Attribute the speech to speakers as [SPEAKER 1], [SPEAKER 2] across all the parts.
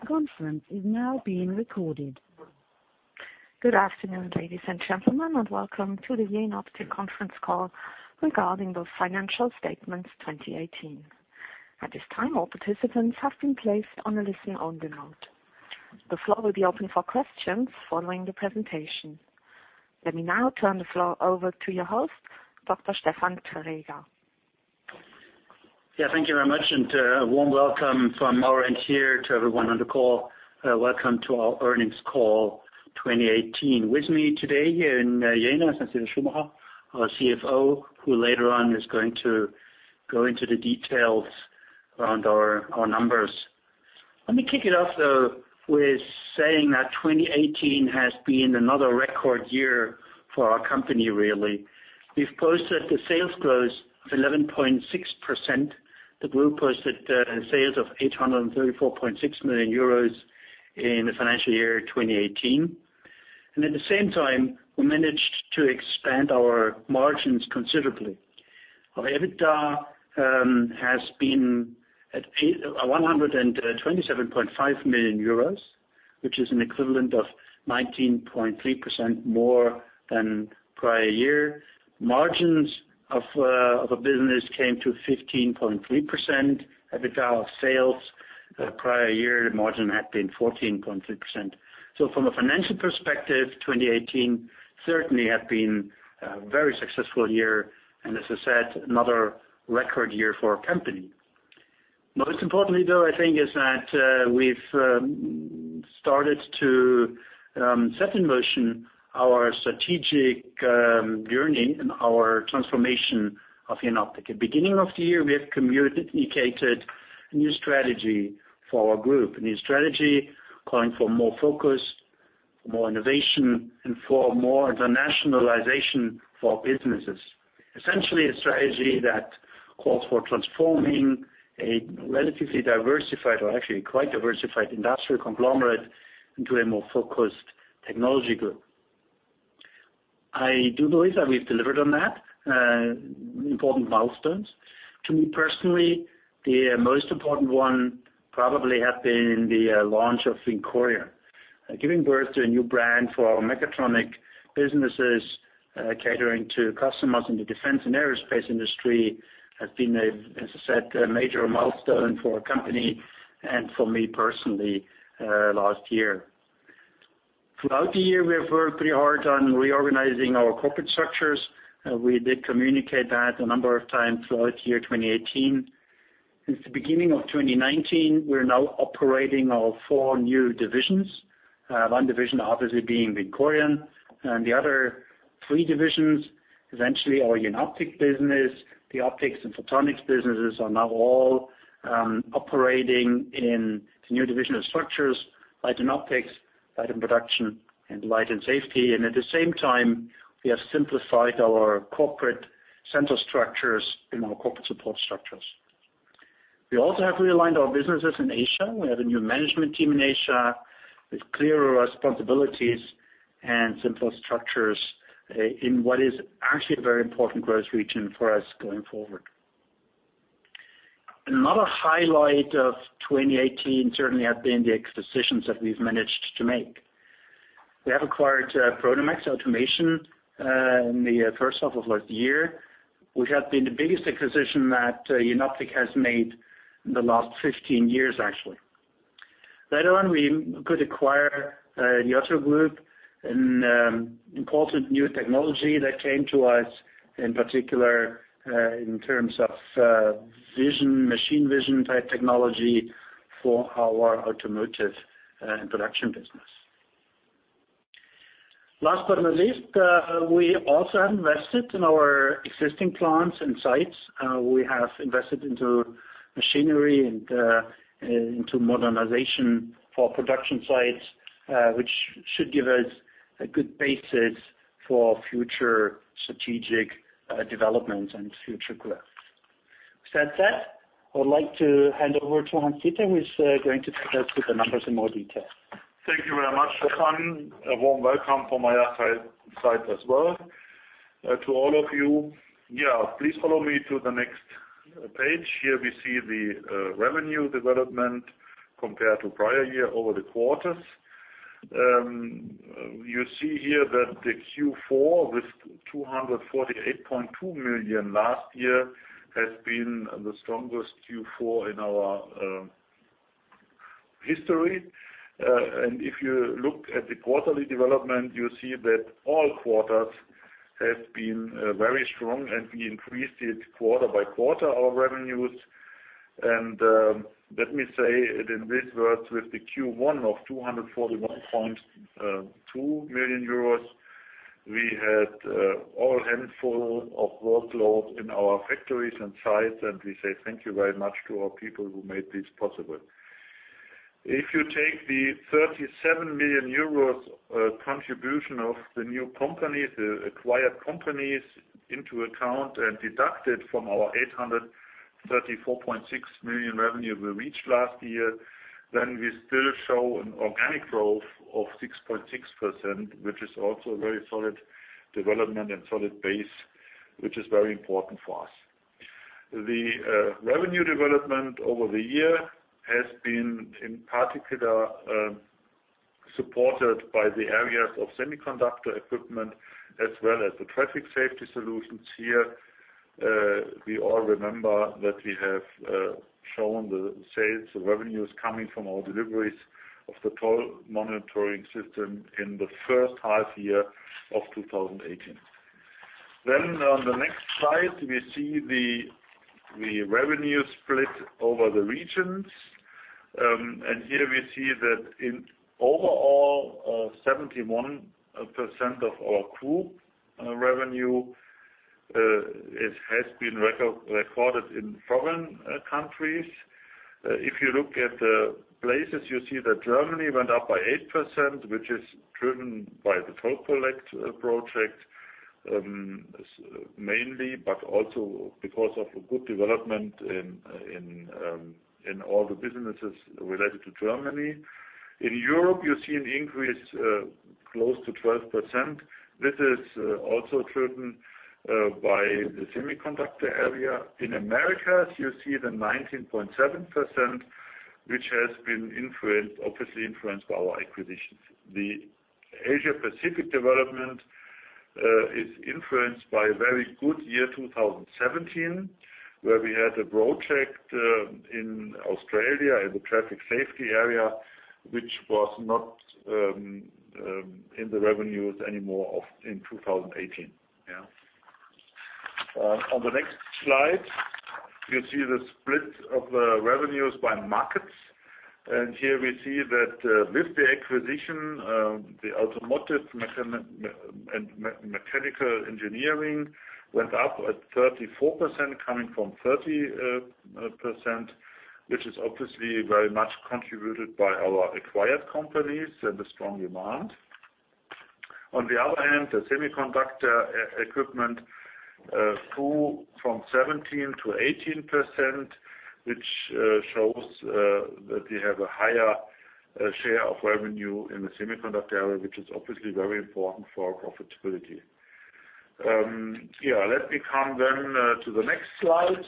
[SPEAKER 1] The conference is now being recorded. Good afternoon, ladies and gentlemen, and welcome to the Jenoptik conference call regarding those financial statements 2018. At this time, all participants have been placed on a listen-only mode. The floor will be open for questions following the presentation. Let me now turn the floor over to your host, Dr Stefan Traeger.
[SPEAKER 2] Yeah, thank you very much and a warm welcome from our end here to everyone on the call. Welcome to our earnings call 2018. With me today here in Jena is Hans-Dieter Schumacher, our CFO, who later on is going to go into the details around our numbers. Let me kick it off, though, with saying that 2018 has been another record year for our company, really. We've posted a sales growth of 11.6%. The group posted sales of 834.6 million euros in the financial year 2018. At the same time, we managed to expand our margins considerably. Our EBITDA has been at 127.5 million euros, which is an equivalent of 19.3% more than prior year. Margins of our business came to 15.3% EBITDA of sales. Prior year, the margin had been 14.3%. From a financial perspective, 2018 certainly had been a very successful year and as I said, another record year for our company. Most importantly though, I think, is that we've started to set in motion our strategic journey and our transformation of Jenoptik. At beginning of the year, we have communicated a new strategy for our group. A new strategy calling for more focus, more innovation, and for more internationalization for businesses. Essentially, a strategy that calls for transforming a relatively diversified, or actually quite diversified industrial conglomerate into a more focused technology group. I do believe that we've delivered on that. Important milestones. To me personally, the most important one probably had been the launch of VINCORION. Giving birth to a new brand for our mechatronic businesses, catering to customers in the defense and aerospace industry, has been a, as I said, a major milestone for our company and for me personally last year. Throughout the year, we have worked pretty hard on reorganizing our corporate structures. And we did communicate that a number of times throughout year 2018. Since the beginning of 2019, we're now operating our four new divisions. One division obviously being VINCORION, and the other three divisions, essentially our Jenoptik business, the optics and photonics businesses are now all operating in the new division of structures, Light & Optics, Light & Production, and Light & Safety. At the same time, we have simplified our corporate center structures in our corporate support structures. We also have realigned our businesses in Asia. We have a new management team in Asia with clearer responsibilities and simpler structures in what is actually a very important growth region for us going forward. Another highlight of 2018 certainly had been the acquisitions that we've managed to make. We have acquired Prodomax Automation in the H1 of last year, which had been the biggest acquisition that Jenoptik has made in the last 15 years, actually. Later on, we could acquire the OTTO Vision, an important new technology that came to us, in particular in terms of machine vision type technology for our automotive production business. Last but not least, we also have invested in our existing plants and sites. We have invested into machinery and into modernization for production sites, which should give us a good basis for future strategic development and future growth. With that said, I would like to hand over to Hans-Dieter, who is going to take us through the numbers in more detail.
[SPEAKER 3] Thank you very much, Stefan. A warm welcome from my side as well to all of you. Please follow me to the next page. Here we see the revenue development compared to prior year over the quarters. You see here that the Q4, with 248.2 million last year, has been the strongest Q4 in our history. If you look at the quarterly development, you see that all quarters have been very strong, and we increased it quarter by quarter, our revenues. And let me say it in these words, with the Q1 of 241.2 million euros, we had all handful of workloads in our factories and sites, and we say thank you very much to our people who made this possible. If you take the 37 million euros contribution of the new companies, the acquired companies, into account and deduct it from our 834.6 million revenue we reached last year, then we still show an organic growth of 6.6%, which is also a very solid development and solid base, which is very important for us. The revenue development over the year has been in particular supported by the areas of semiconductor equipment as well as the traffic safety solutions here. We all remember that we have shown the sales, the revenues coming from our deliveries of the toll monitoring system in the H1 year of 2018. Then on the next slide, we see the revenue split over the regions. Here we see that in overall, 71% of our group revenue has been recorded in foreign countries. If you look at the places, you see that Germany went up by 8%, which is driven by the Toll Collect project mainly, but also because of a good development in all the businesses related to Germany. In Europe, you see an increase close to 12%. This is also driven by the semiconductor area. In Americas, you see the 19.7%, which has been obviously influenced by our acquisitions. The Asia Pacific development is influenced by a very good year, 2017, where we had a project in Australia in the traffic safety area, which was not in the revenues anymore in 2018. On the next slide, you see the split of the revenues by markets. Here we see that with the acquisition, the automotive and mechanical engineering went up at 34% coming from 30%, which is obviously very much contributed by our acquired companies and the strong demand. On the other hand, the semiconductor equipment grew from 17% to 18%, which shows that we have a higher share of revenue in the semiconductor area, which is obviously very important for our profitability. Let me come to the next slide.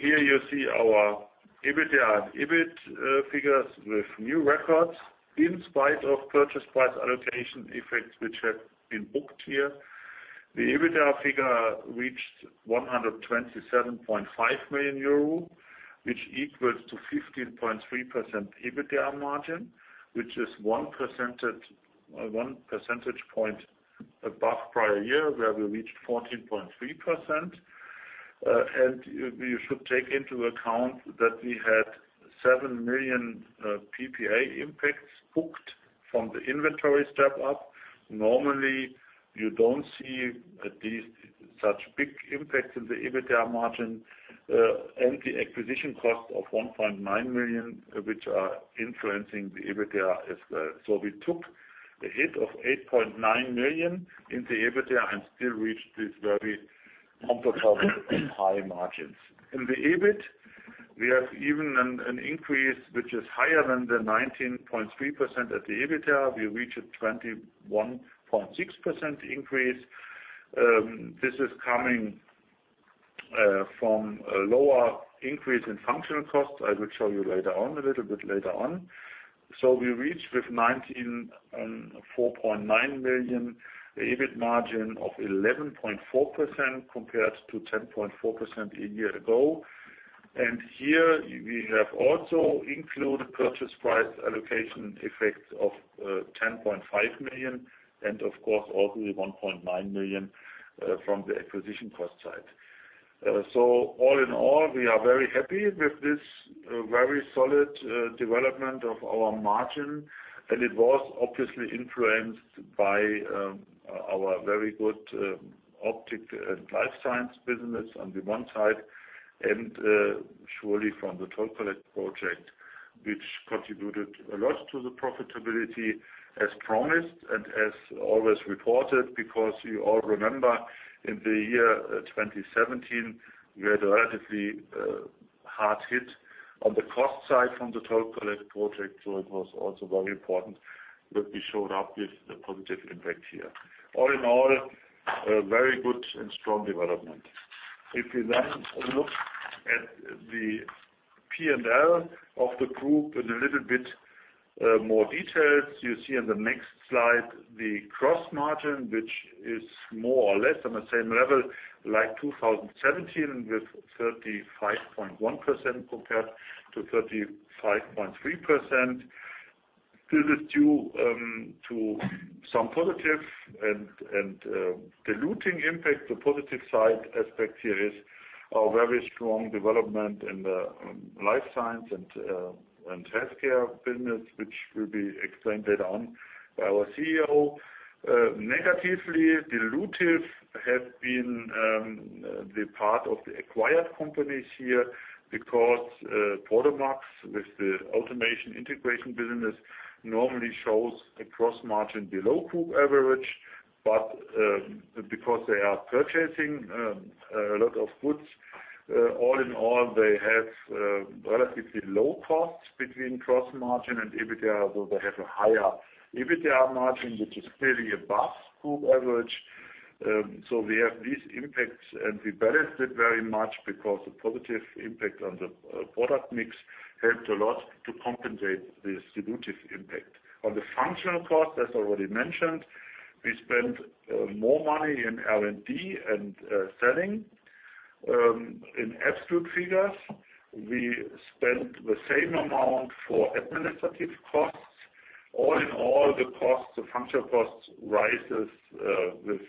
[SPEAKER 3] Here you see our EBITDA and EBIT figures with new records in spite of purchase price allocation effects, which have been booked here. The EBITDA figure reached 127.5 million euro, which equals to 15.3% EBITDA margin, which is one percentage point above prior year where we reached 14.3%. And you should take into account that we had seven million PPA impacts booked from the inventory step up. Normally, you don't see such big impacts in the EBITDA margin and the acquisition cost of 1.9 million, which are influencing the EBITDA as well. We took a hit of 8.9 million in the EBITDA and still reached these very comfortable and high margins. In the EBIT, we have even an increase which is higher than the 19.3% at the EBITDA. We reached a 21.6% increase. This is coming from a lower increase in functional costs, I will show you a little bit later on. We reached with 19 and 4.9 million, the EBIT margin of 11.4% compared to 10.4% a year ago. Here we have also included purchase price allocation effects of 10.5 million and of course also the 1.9 million from the acquisition cost side. And so all in all, we are very happy with this very solid development of our margin, and it was obviously influenced by our very good Optics & Life Science business on the one side, and surely from the Toll Collect project, which contributed a lot to the profitability as promised and as always reported. You all remember in the year 2017, we had a relatively hard hit on the cost side from the Toll Collect project, it was also very important that we showed up with the positive impact here. All in all, a very good and strong development. If we look at the P&L of the group in a little bit more details, you see in the next slide the cross margin, which is more or less on the same level like 2017, with 35.1% compared to 35.3%. This is due to some positive and diluting impact. The positive side aspect here is our very strong development in the life science and healthcare business, which will be explained later on by our CEO. Negatively dilutive has been the part of the acquired companies here because Prodomax with the automation integration business normally shows a gross margin below group average. Because they are purchasing a lot of goods, all in all, they have relatively low costs between gross margin and EBITDA. They have a higher EBITDA margin, which is clearly above group average. So we have these impacts and we balanced it very much because the positive impact on the product mix helped a lot to compensate the distributive impact. On the functional cost, as already mentioned, we spent more money in R&D and selling. In absolute figures, we spent the same amount for administrative costs. All in all, the costs of functional costs rises with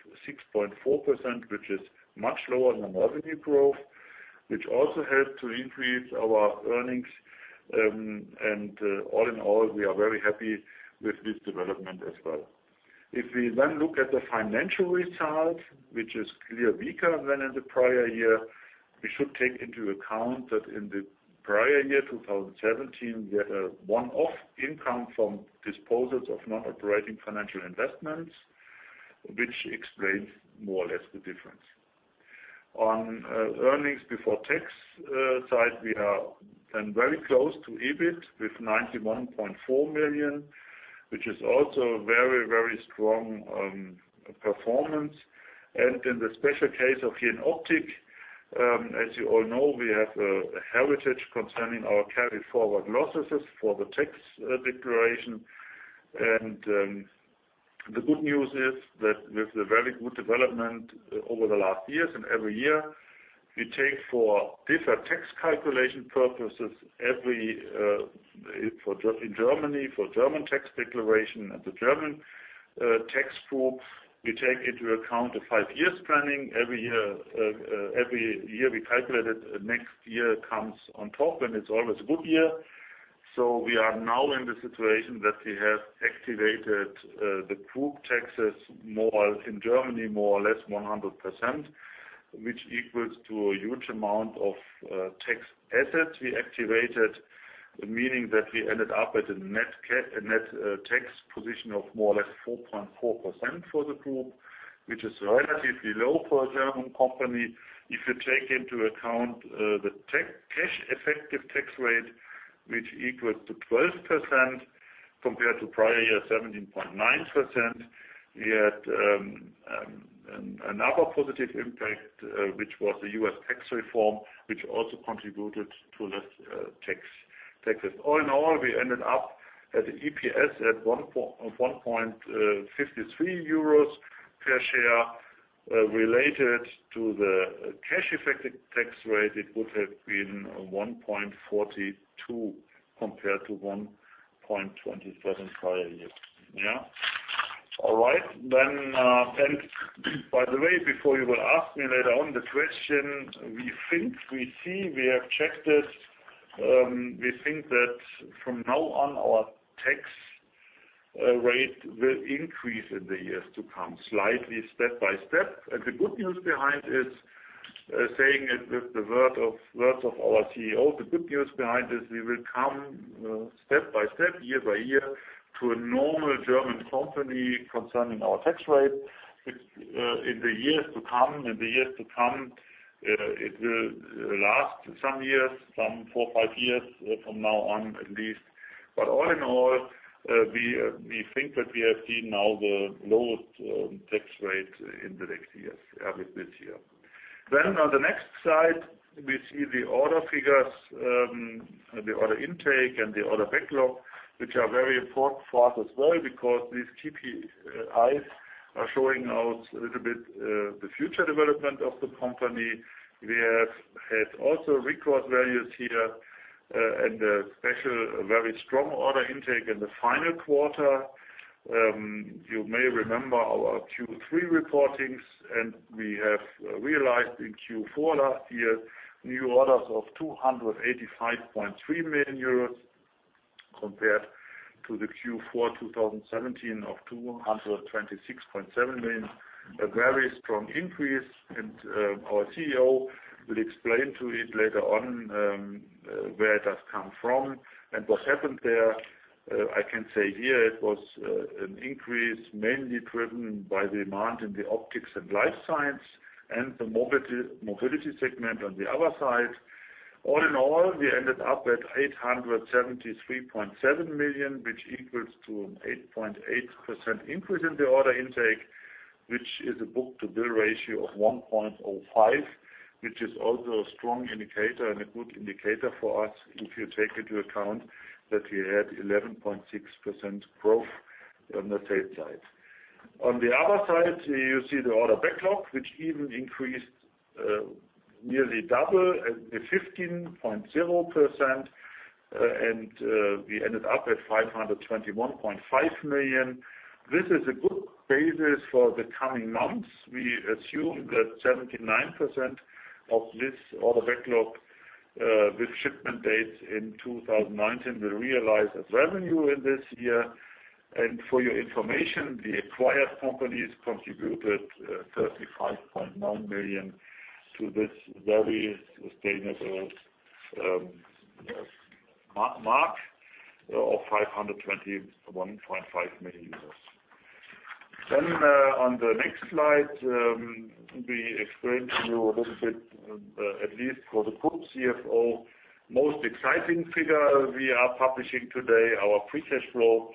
[SPEAKER 3] 6.4%, which is much lower than the revenue growth, which also helped to increase our earnings. All in all, we are very happy with this development as well. If we look at the financial result, which is clearly weaker than in the prior year, we should take into account that in the prior year 2017, we had a one-off income from disposals of non-operating financial investments, which explains more or less the difference. On earnings before tax side, we are then very close to EBIT with 91.4 million, which is also very strong on performance. In the special case of Jenoptik, as you all know, we have a heritage concerning our carry forward losses for the tax declaration. And the good news is that with the very good development over the last years and every year, we take for different tax calculation purposes, in Germany, for German tax declaration and the German tax group, we take into account a five years planning. Every year we calculate it, next year comes on top and it's always a good year. We are now in the situation that we have activated the group taxes in Germany, more or less 100%, which equals to a huge amount of tax assets we activated, meaning that we ended up at a net tax position of more or less 4.4% for the group, which is relatively low for a German company. If you take into account the cash effective tax rate, which equals to 12% compared to prior year 17.9%. We had another positive impact, which was the U.S. tax reform, which also contributed to less taxes. All in all, we ended up at EPS at 1.53 euros per share. That related to the cash effective tax rate, it would have been 1.42 compared to 1.27 prior year. Yeah. All right. By the way, before you will ask me later on the question, we think, we see, we have checked it. We think that from now on, our tax rate will increase in the years to come, slightly step by step. The good news behind it, saying it with the words of our CEO, the good news behind this, we will come step by step, year by year, to a normal German company concerning our tax rate, in the years to come. It will last some years, some four, five years from now on at least. All in all, we think that we have seen now the lowest tax rate in the next years with this year. Then on the next slide, we see the order figures, the order intake and the order backlog, which are very important for us as well because these KPIs are showing out a little bit the future development of the company. We have had also record values here and a special, very strong order intake in the final quarter. You may remember our Q3 reportings, and we have realized in Q4 last year, new orders of 285.3 million euros compared to the Q4 2017 of 226.7 million representing a very strong improvement and our CEO will explain to it later on where it has come from and what happened there. I can say here it was an increase mainly driven by demand in the Optics & Life Science and the mobility segment on the other side. All in all, we ended up at 873.7 million, which equals to an 8.8% increase in the order intake, which is a book-to-bill ratio of 1.05, which is also a strong indicator and a good indicator for us if you take into account that we had 11.6% growth on the sales side. On the other side, you see the order backlog, which even increased nearly double at the 15.0% and we ended up at 521.5 million. This is a good basis for the coming months. We assume that 79% of this order backlog with shipment dates in 2019 will realize as revenue in this year. For your information, the acquired companies contributed 35.9 million to this very sustainable mark of 521.5 million euros. Then on the next slide, we explain to you a little bit, at least for the group CFO, most exciting figure we are publishing today, our free cash flow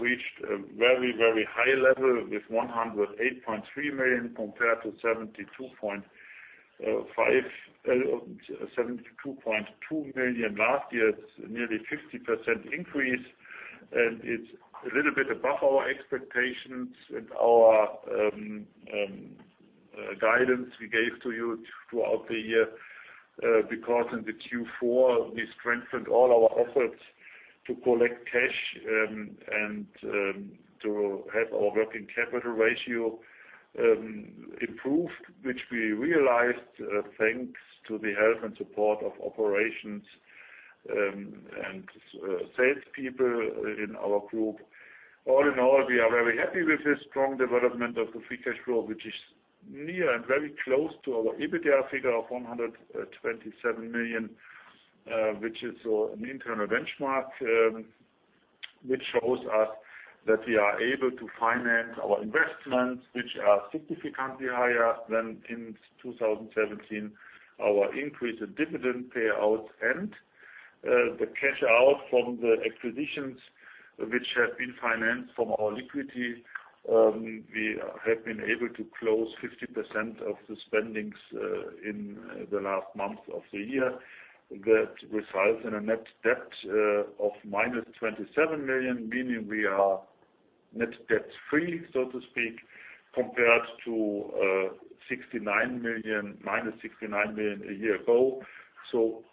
[SPEAKER 3] reached a very, very high level with 108.3 million compared to 72.2 million last year. It's nearly 50% increase, it's a little bit above our expectations and our guidance we gave to you throughout the year. Because in the Q4, we strengthened all our efforts to collect cash and to have our working capital ratio improved, which we realized thanks to the help and support of operations and salespeople in our group. All in all, we are very happy with this strong development of the free cash flow, which is near and very close to our EBITDA figure of 127 million, which is an internal benchmark, which shows us that we are able to finance our investments, which are significantly higher than in 2017. Our increase in dividend payouts and the cash out from the acquisitions, which have been financed from our liquidity. We have been able to close 50% of the spendings in the last month of the year. That results in a net debt of minus 27 million, meaning we are net debt-free, so to speak, compared to 69 million a year ago.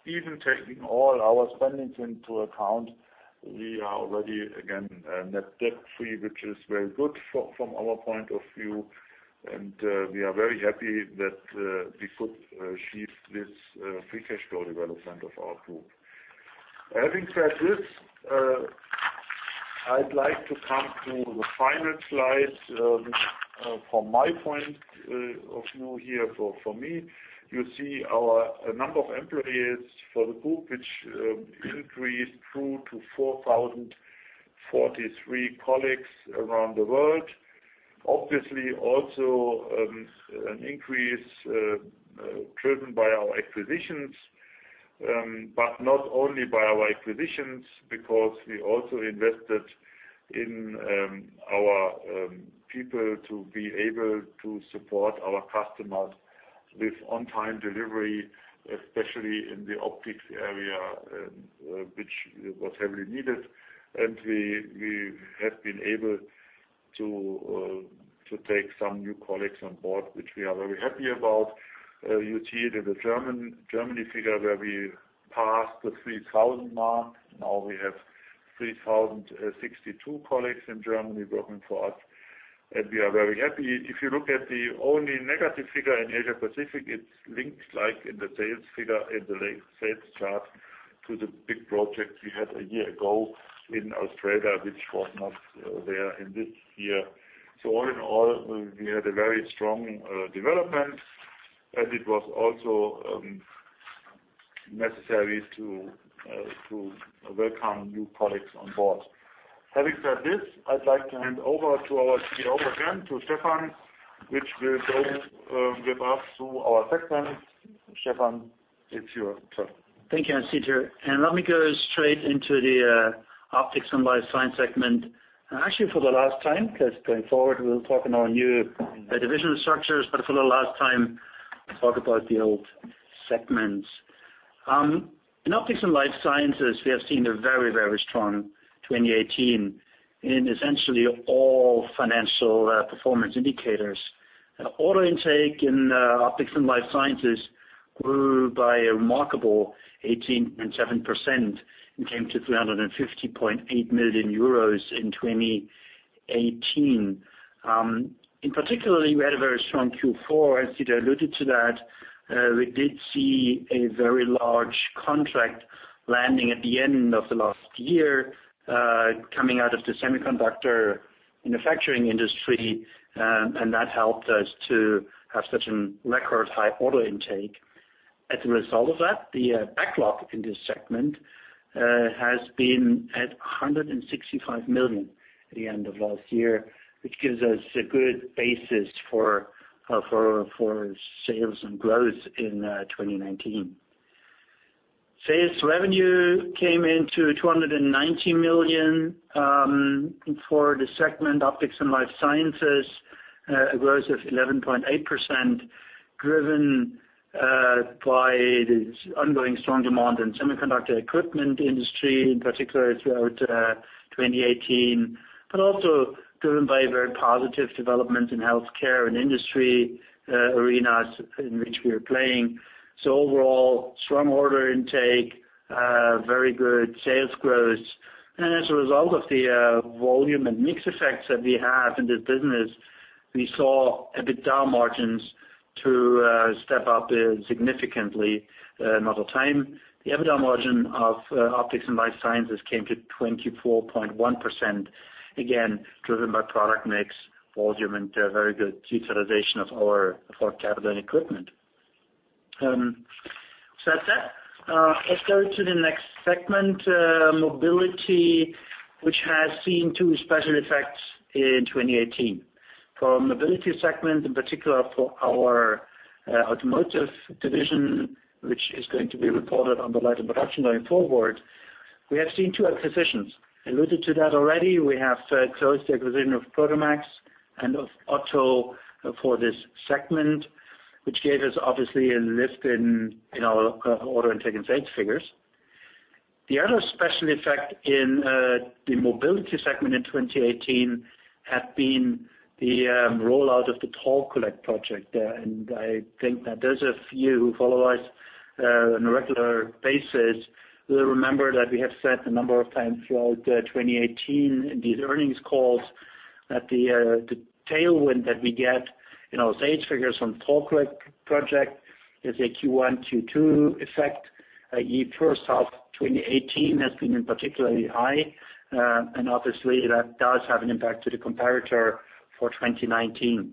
[SPEAKER 3] Even taking all our spendings into account, we are already, again, net debt-free, which is very good from our point of view. And we are very happy that we could achieve this free cash flow development of our group. Having said this, I'd like to come to the final slide from my point of view here. For me, you see our number of employees for the group, which increased through to 4,043 colleagues around the world. Obviously, also an increase driven by our acquisitions. Not only by our acquisitions, because we also invested in our people to be able to support our customers with on-time delivery, especially in the optics area, which was heavily needed. And we have been able to take some new colleagues on board, which we are very happy about. You see the Germany figure where we passed the 3,000 mark. Now we have 3,062 colleagues in Germany working for us, and we are very happy. If you look at the only negative figure in Asia Pacific, it's linked like in the sales figure, in the sales chart to the big project we had a year ago in Australia, which was not there in this year. All in all, we had a very strong development and it was also necessary to welcome new colleagues on board. Having said this, I'd like to hand over to our CEO again, to Stefan, which will give us to our segments. Stefan, it's your turn.
[SPEAKER 2] Thank you, Hans-Dieter. Let me go straight into the Optics & Life Science segment. Actually, for the last time, because going forward, we'll talk in our new divisional structures, but for the last time, talk about the old segments. In Optics & Life Science, we have seen a very, very strong 2018 in essentially all financial performance indicators. Order intake in Optics & Life Science grew by a remarkable 18.7% and came to 350.8 million euros in 2018. In particular, we had a very strong Q4, as Dieter alluded to that. We did see a very large contract landing at the end of the last year, coming out of the semiconductor manufacturing industry, and that helped us to have such a record high order intake. As a result of that, the backlog in this segment has been at 165 million at the end of last year, which gives us a good basis for sales and growth in 2019. Sales revenue came in to 290 million for the segment Optics & Life Science, a growth of 11.8% driven by the ongoing strong demand in semiconductor equipment industry, in particular throughout 2018. Also driven by a very positive development in healthcare and industry arenas in which we are playing. Overall, strong order intake, very good sales growth. As a result of the volume and mix effects that we have in this business, we saw EBITDA margins to step up significantly another time. The EBITDA margin of Optics & Life Science came to 24.1%, again, driven by product mix, volume, and very good utilization of our capital and equipment. Said that, let's go to the next segment, mobility, which has seen two special effects in 2018. For our mobility segment, in particular for our automotive division, which is going to be reported under Light & Production going forward, we have seen two acquisitions. Alluded to that already. We have closed the acquisition of Prodomax and of OTTO for this segment, which gave us obviously a lift in our order intake and sales figures. The other special effect in the mobility segment in 2018 had been the rollout of the Toll Collect project there. I think that those of you who follow us on a regular basis will remember that we have said a number of times throughout 2018 in these earnings calls that the tailwind that we get in our sales figures from Toll Collect project is a Q1, Q2 effect. H1 2018 has been particularly high. And obviously that does have an impact to the comparator for 2019.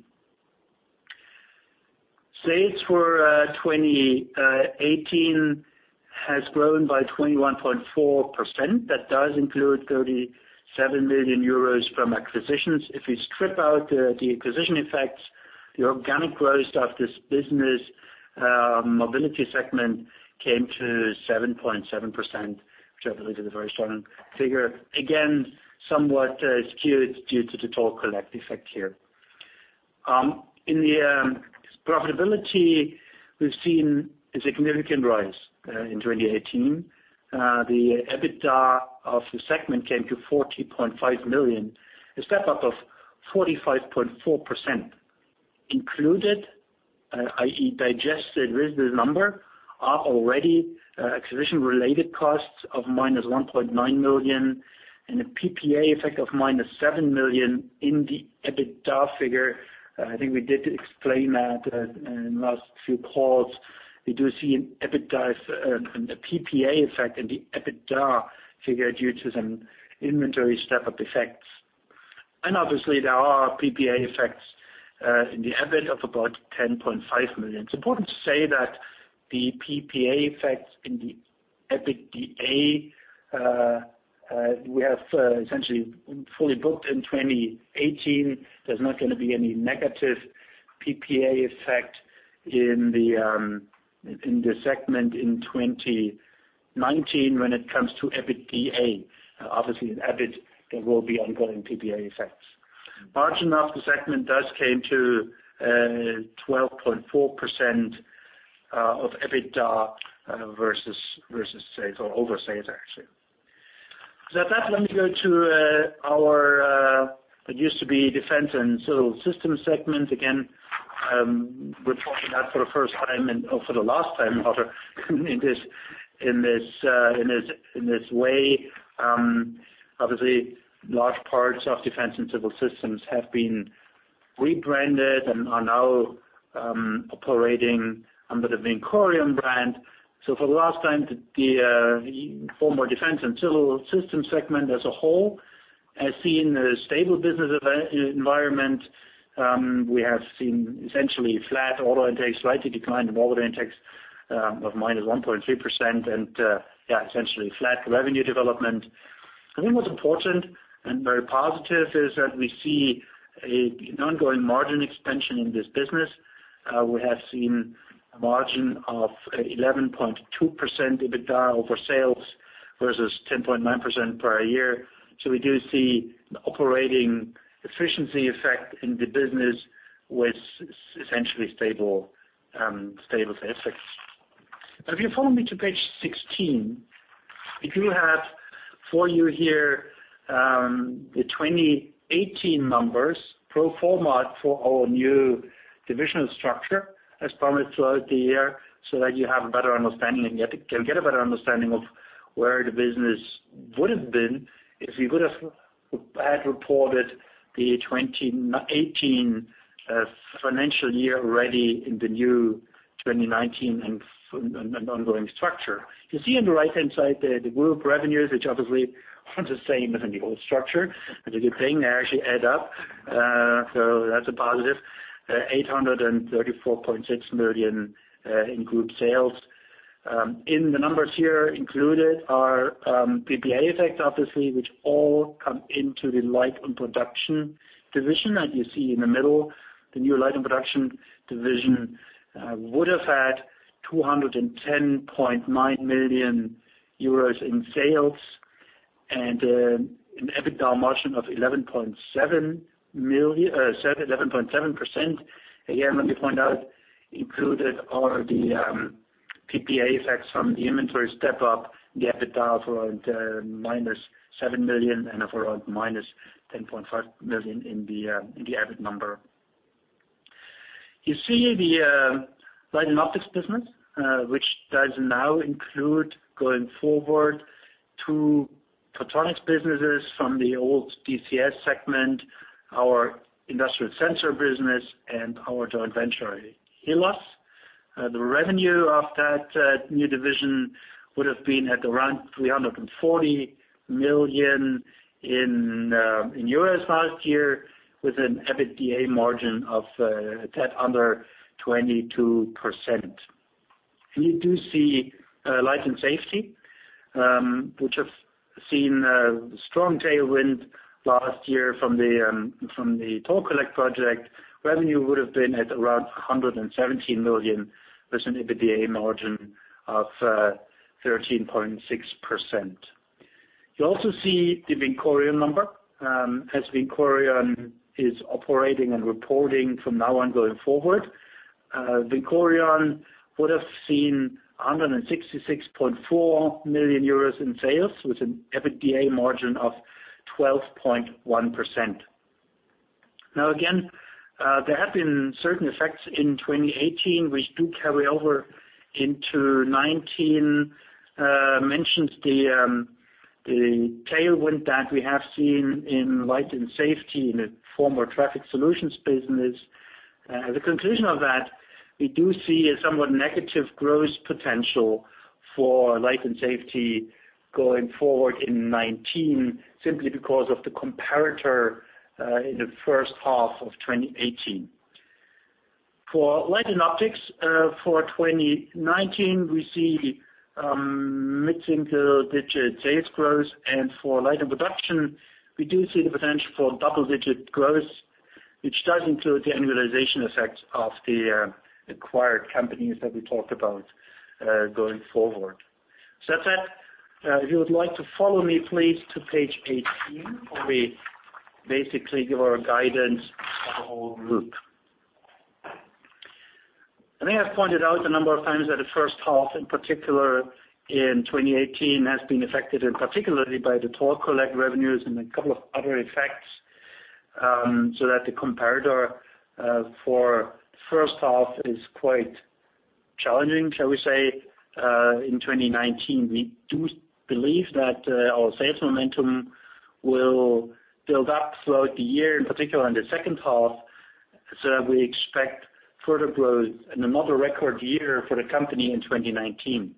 [SPEAKER 2] Sales for 2018 has grown by 21.4%. That does include 37 million euros from acquisitions. If you strip out the acquisition effects, the organic growth of this business, mobility segment, came to 7.7%, which I believe is a very strong figure. Again, somewhat skewed due to the Toll Collect effect here. In the profitability, we've seen a significant rise in 2018. The EBITDA of the segment came to 40.5 million, a step up of 45.4%. Included, i.e., digested with this number, are already acquisition-related costs of minus 1.9 million and a PPA effect of minus 7 million in the EBITDA figure. I think we did explain that in last few calls. We do see a PPA effect in the EBITDA figure due to some inventory step-up effects. And obviously there are PPA effects in the EBIT of about 10.5 million. It's important to say that the PPA effects in the EBITDA we have essentially fully booked in 2018. There's not going to be any negative PPA effect in this segment in 2019 when it comes to EBITDA. Obviously in EBIT, there will be ongoing PPA effects. Margin of the segment does came to 12.4% of EBITDA versus sales, or over sales, actually. Said that, let me go to our, it used to be Defense & Civil Systems segment. Again, we're talking that for the first time and for the last time in this way. Obviously, large parts of Defense & Civil Systems have been rebranded and are now operating under the VINCORION brand. For the last time, the former Defense & Civil Systems segment as a whole has seen a stable business environment. We have seen essentially flat order intake, slightly declined order intakes of minus 1.3% and essentially flat revenue development. I think what's important and very positive is that we see an ongoing margin expansion in this business. We have seen a margin of 11.2% EBITDA over sales versus 10.9% prior year. We do see an operating efficiency effect in the business with essentially stable effects. If you follow me to page 16, it will have for you here the 2018 numbers pro forma for our new divisional structure as promised throughout the year, so that you have a better understanding and can get a better understanding of where the business would have been if we would have had reported the 2018 financial year already in the new 2019 and ongoing structure. You see on the right-hand side the group revenues, which obviously aren't the same as in the old structure. That's a good thing. They actually add up. That's a positive. 834.6 million in group sales. In the numbers here included are PPA effects, obviously, which all come into the Light & Production division that you see in the middle. The new Light & Production division would have had 210.9 million euros in sales and an EBITDA margin of 11.7%. Again, let me point out, included are the PPA effects from the inventory step-up, the EBITDA of around minus 7 million and of around minus 10.5 million in the EBIT number. You see the Light & Optics business, which does now include, going forward, two photonics businesses from the old DCS segment, our industrial sensor business, and our joint venture, Hillos. The revenue of that new division would have been at around 340 million last year with an EBITDA margin of a tad under 22%. You do see Light & Safety, which have seen a strong tailwind last year from the Toll Collect project. Revenue would have been at around 117 million, with an EBITDA margin of 13.6%. You also see the VINCORION number, as VINCORION is operating and reporting from now on going forward. VINCORION would have seen 166.4 million euros in sales with an EBITDA margin of 12.1%. Now again, there have been certain effects in 2018 which do carry over into 2019. I mentioned the tailwind that we have seen in Light & Safety, in the former Traffic Solutions business. The conclusion of that, we do see a somewhat negative growth potential for Light & Safety going forward in 2019, simply because of the comparator in the H1 of 2018. For Light & Optics, for 2019, we see mid-single-digit sales growth. For Light & Production, we do see the potential for double-digit growth, which does include the annualization effect of the acquired companies that we talked about going forward. That said, if you would like to follow me please to page 18, where we basically give our guidance for the whole group. I think I've pointed out a number of times that the H1, in particular in 2018, has been affected in particularly by the Toll Collect revenues and a couple of other effects, so that the comparator for the H1 is quite challenging, shall we say. In 2019, we do believe that our sales momentum will build up throughout the year, in particular in the H2. So we expect further growth and another record year for the company in 2019.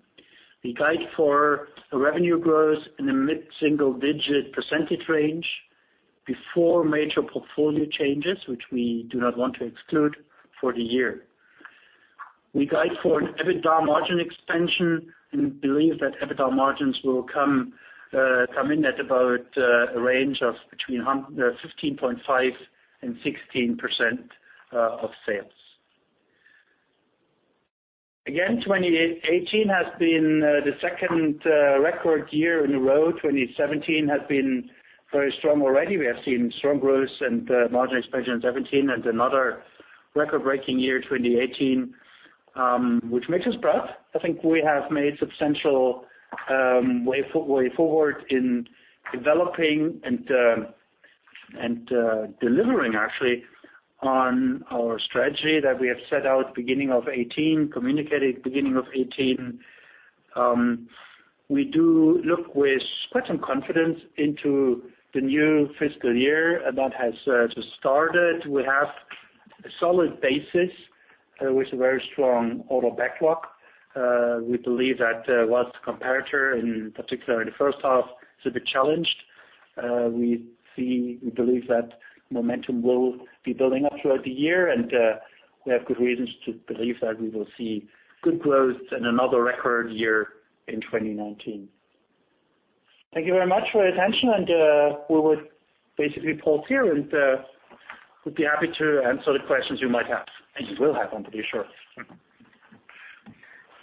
[SPEAKER 2] We guide for a revenue growth in the mid-single-digit percentage range before major portfolio changes, which we do not want to exclude for the year. We guide for an EBITDA margin expansion and believe that EBITDA margins will come in at about a range of between 15.5% to 16% of sales. Again, 2018 has been the second record year in a row. 2017 has been very strong already. We have seen strong growth and margin expansion in 2017 and another record-breaking year in 2018, which makes us proud. I think we have made substantial way forward in developing and delivering actually on our strategy that we have set out beginning of 2018, communicated beginning of 2018. We do look with quite some confidence into the new fiscal year that has just started. We have a solid basis with a very strong order backlog. We believe that whilst the comparator, in particular in the H1, is a bit challenged. We believe that momentum will be building up throughout the year, and we have good reasons to believe that we will see good growth and another record year in 2019. Thank you very much for your attention. We would basically pause here and would be happy to answer the questions you might have, and you will have them, to be sure.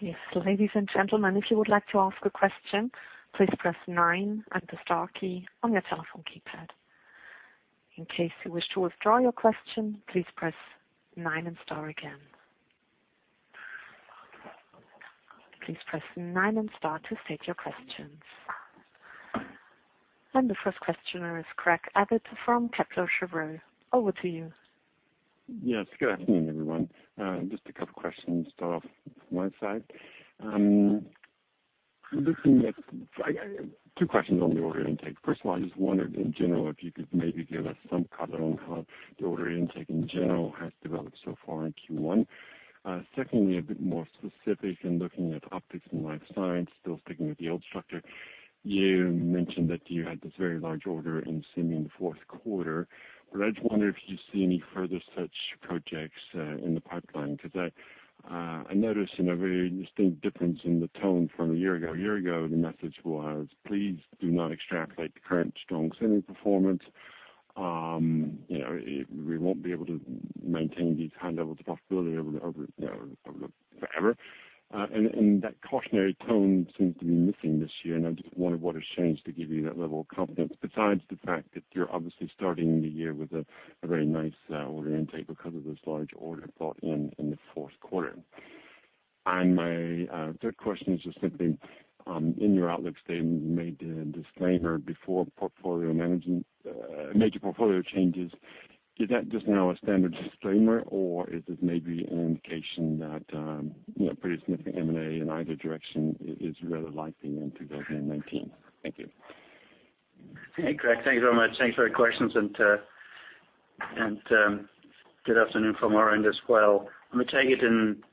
[SPEAKER 1] Yes. Ladies and gentlemen, if you would like to ask a question, please press nine and the star key on your telephone keypad. In case you wish to withdraw your question, please press nine and star again. Please press nine and star to state your questions. The first questioner is Craig Abbott from Kepler Cheuvreux. Over to you.
[SPEAKER 4] Good afternoon, everyone. Just a couple of questions to start off from my side. Two questions on the order intake. First of all, I just wondered in general if you could maybe give us some color on how the order intake in general has developed so far in Q1. Secondly, a bit more specific in looking at Optics & Life Science, still sticking with the old structure. You mentioned that you had this very large order in semi in the Q4, but I just wonder if you see any further such projects in the pipeline, because I noticed a very distinct difference in the tone from a year ago. A year ago, the message was, "Please do not extrapolate the current strong semi performance. We won't be able to maintain these high levels of profitability forever." That cautionary tone seems to be missing this year, I just wondered what has changed to give you that level of confidence, besides the fact that you're obviously starting the year with a very nice order intake because of this large order brought in in the Q4. My third question is just simply, in your outlook statement, you made the disclaimer, before major portfolio changes. Is that just now a standard disclaimer or is this maybe an indication that pretty significant M&A in either direction is really likely in 2019? Thank you.
[SPEAKER 2] Hey, Craig. Thank you very much. Thanks for your questions and good afternoon from our end as well. I'm going to take it in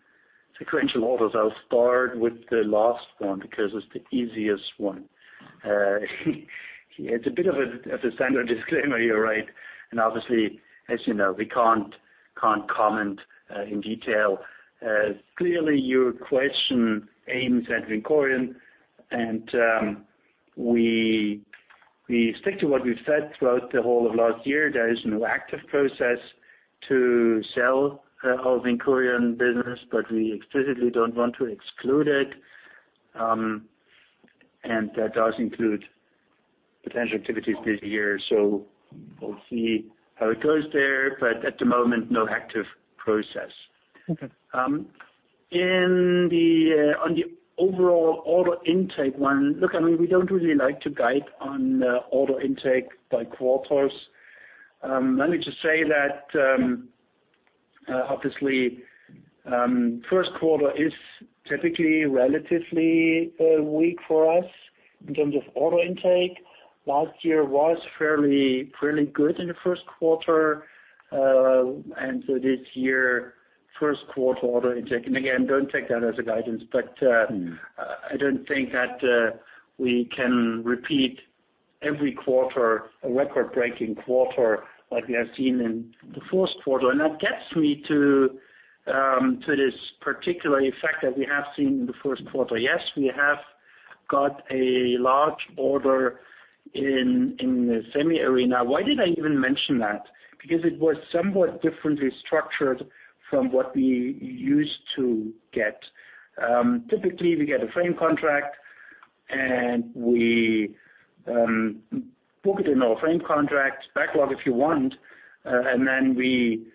[SPEAKER 2] sequential order. I'll start with the last one because it's the easiest one. It's a bit of a standard disclaimer you're right. Obviously, as you know, we can't comment in detail. Clearly, your question aims at VINCORION, we stick to what we've said throughout the whole of last year. There is no active process to sell our VINCORION business, but we explicitly don't want to exclude it. That does include potential activities this year. So we'll see how it goes there, but at the moment, no active process.
[SPEAKER 4] Okay.
[SPEAKER 2] On the overall order intake one, look, we don't really like to guide on order intake by quarters. Let me just say that, obviously, Q1 is typically relatively weak for us in terms of order intake. Last year was fairly good in the Q1. This year, Q1 order intake, again, don't take that as a guidance, but I don't think that we can repeat every quarter a record-breaking quarter like we have seen in the Q1. That gets me to this particular effect that we have seen in the Q1. Yes, we have got a large order in the semi arena. Why did I even mention that? Because it was somewhat differently structured from what we used to get. Typically, we get a frame contract and we book it in our frame contract backlog if you want, and then we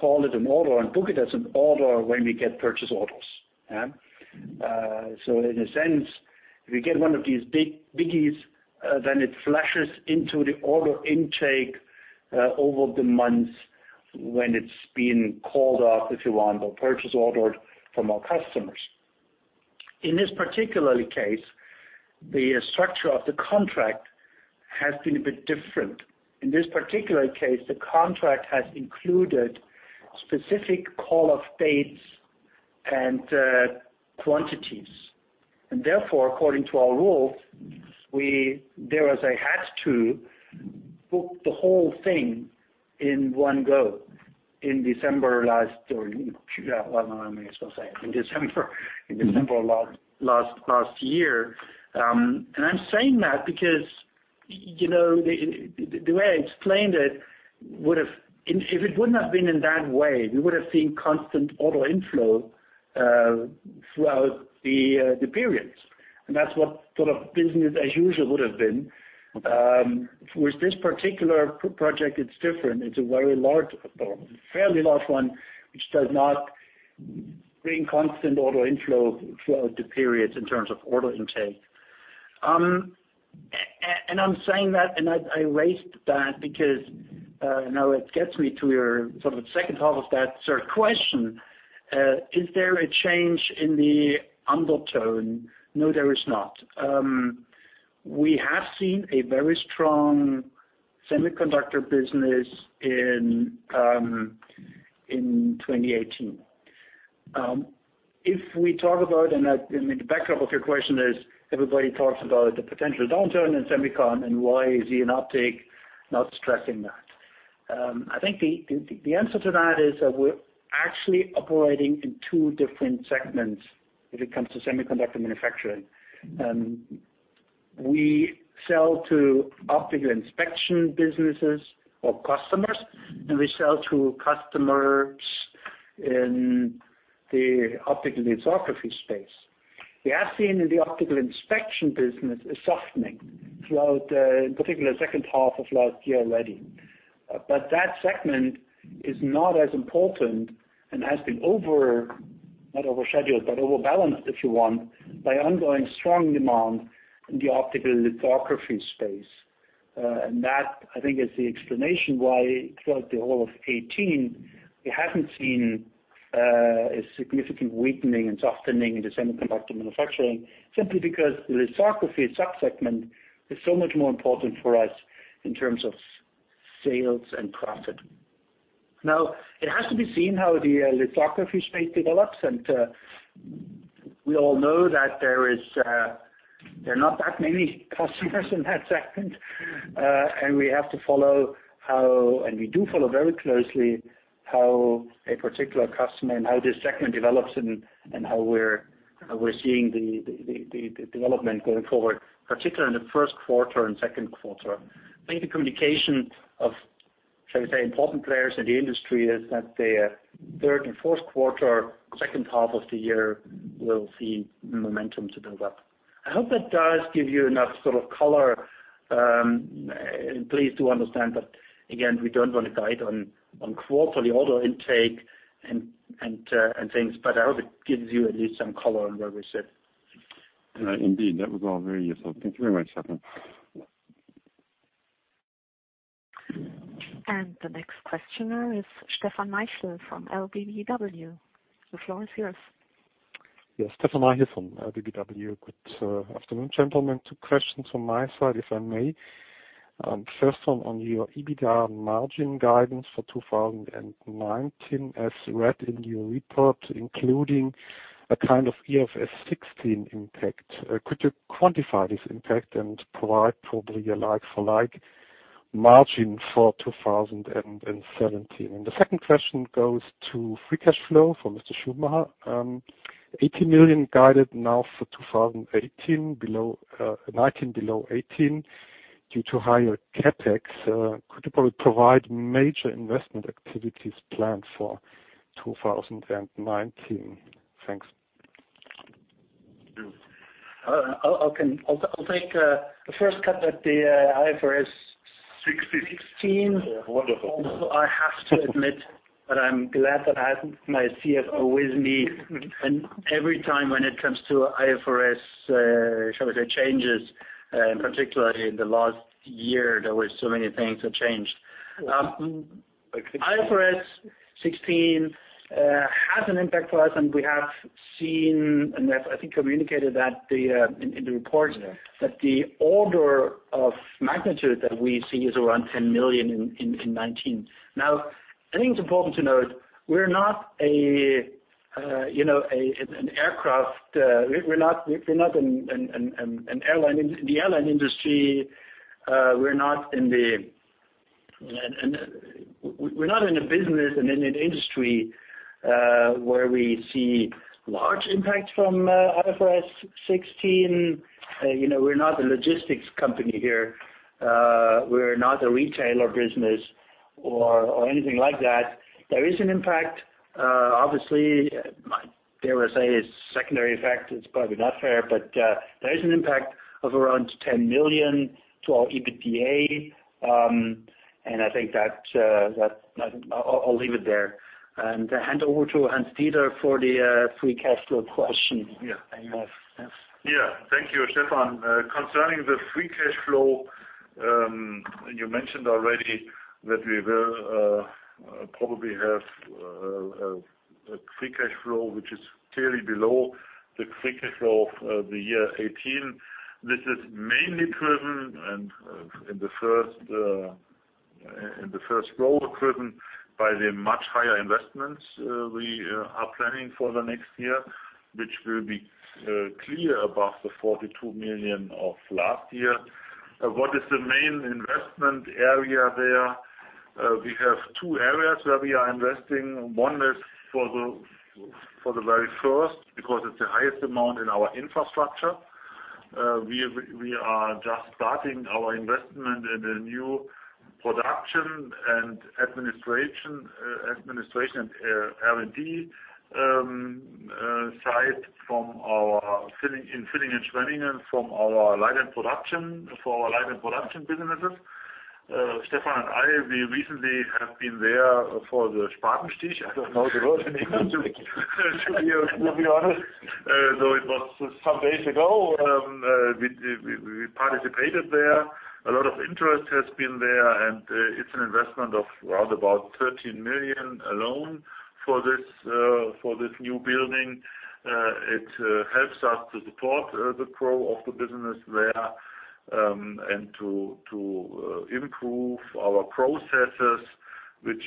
[SPEAKER 2] call it an order and book it as an order when we get purchase orders. In a sense, if we get one of these biggies, then it flushes into the order intake over the months when it's been called off, if you want, or purchase ordered from our customers. In this particular case, the structure of the contract has been a bit different. In this particular case, the contract has included specific call-off dates and quantities. Therefore, according to our rules, there was a "had to" book the whole thing in one go in December-- I may as well say it, in December of last year. I'm saying that because the way I explained it, if it would not been in that way, we would have seen constant order inflow throughout the periods. That's what sort of business as usual would have been.
[SPEAKER 4] Okay.
[SPEAKER 2] With this particular project, it's different. It's a very large one, fairly large one, which does not bring constant order inflow throughout the periods in terms of order intake. I'm saying that, and I raised that because now it gets me to your sort of H2 of that third question. Is there a change in the undertone? No, there is not. We have seen a very strong semiconductor business in 2018. If we talk about, the backdrop of your question is everybody talks about the potential downturn in semicon and why is Jenoptik not stressing that? I think the answer to that is that we're actually operating in two different segments when it comes to semiconductor manufacturing. We sell to optical inspection businesses or customers, and we sell to customers in the optical lithography space. We have seen in the optical inspection business a softening throughout, in particular, the H2 of last year already. That segment is not as important and has been overbalanced, if you want, by ongoing strong demand in the optical lithography space. That, I think, is the explanation why throughout the whole of 2018, we haven't seen a significant weakening and softening in the semiconductor manufacturing, simply because the lithography subsegment is so much more important for us in terms of sales and profit. Now, it has to be seen how the lithography space develops, and we all know that there are not that many customers in that segment. We have to follow how, and we do follow very closely how a particular customer and how this segment develops and how we're seeing the development going forward, particularly in the Q1 and Q2. I think the communication of, shall we say, important players in the industry is that the third and Q4, H2 of the year will see momentum to build up. I hope that does give you enough sort of color. Please do understand that, again, we don't want to guide on quarterly order intake and things, but I hope it gives you at least some color on where we sit.
[SPEAKER 4] Indeed, that was all very useful. Thank you very much, Stefan.
[SPEAKER 1] The next questioner is Stefan Maichle from LBBW. The floor is yours.
[SPEAKER 5] Yes. Stefan Maichle from LBBW. Good afternoon, gentlemen. Two questions from my side, if I may. First one on your EBITDA margin guidance for 2019 as read in your report, including a kind of IFRS 16 impact. Could you quantify this impact and provide probably a like-for-like margin for 2017? The second question goes to free cash flow for Mr. Schumacher. 80 million guided now for 2018, 2019 below 2018 due to higher CapEx. Could you probably provide major investment activities planned for 2019? Thanks.
[SPEAKER 3] Thank you.
[SPEAKER 2] Okay, I'll take the first cut at the IFRS 16.
[SPEAKER 3] 16. Wonderful.
[SPEAKER 2] Also, I have to admit that I'm glad that I have my CFO with me. Every time when it comes to IFRS, shall we say, changes, particularly in the last year, there were so many things that changed. IFRS 16 has an impact for us, and we have seen and I think communicated that in the report.
[SPEAKER 3] Yes.
[SPEAKER 2] That the order of magnitude that we see is around 10 million in 2019. Now, the thing to focus on is, we're not in the airline industry. We're not in a business and in an industry where we see large impacts from IFRS 16. We're not a logistics company here. We're not a retailer business or anything like that. There is an impact. Obviously, dare I say, a secondary effect is probably not fair, but there is an impact of around 10 million to our EBITDA. I think I'll leave it there. Hand over to Hans-Dieter for the free cash flow question.
[SPEAKER 3] Yeah.
[SPEAKER 2] You have, yes.
[SPEAKER 3] Thank you, Stefan. Concerning the free cash flow, you mentioned already that we will probably have a free cash flow, which is clearly below the free cash flow of the year 2018. This is mainly driven by the first roll equipment, by the much higher investments we are planning for the next year, which will be clear above the 42 million of last year. What is the main investment area there? We have two areas where we are investing. One is for the very first, because it's the highest amount, in our infrastructure. We are just starting our investment in the new production and administration and R&D site from Villingen-Schwenningen for our Light & Production businesses. Stefan and I, we recently have been there for the Spatenstich. I don't know the word in English to be honest. It was some days ago. We participated there. A lot of interest has been there, and it's an investment of around about 13 million alone for this new building. It helps us to support the growth of the business there, and to improve our processes, which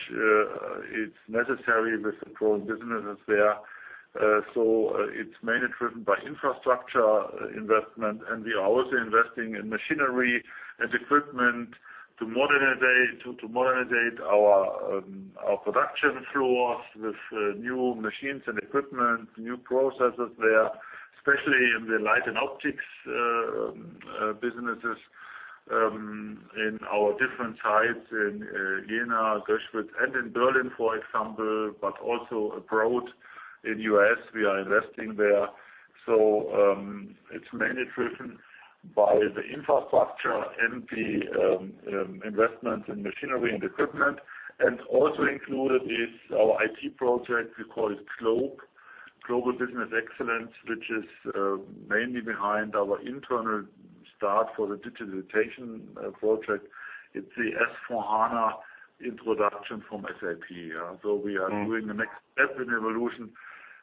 [SPEAKER 3] is necessary with the growing businesses there. It's mainly driven by infrastructure investment, and we are also investing in machinery and equipment to modernize our production floor with new machines and equipment, new processes there, especially in the Light & Optics businesses, in our different sites in Jena, Göschwitz, and in Berlin, for example, but also abroad in U.S., we are investing there. So it's mainly driven by the infrastructure and the investments in machinery and equipment. Also included is our IT project, we call it Globe, Global Business Excellence, which is mainly behind our internal start for the digitalization project. It's the S/4HANA introduction from SAP. We are doing the next step in evolution,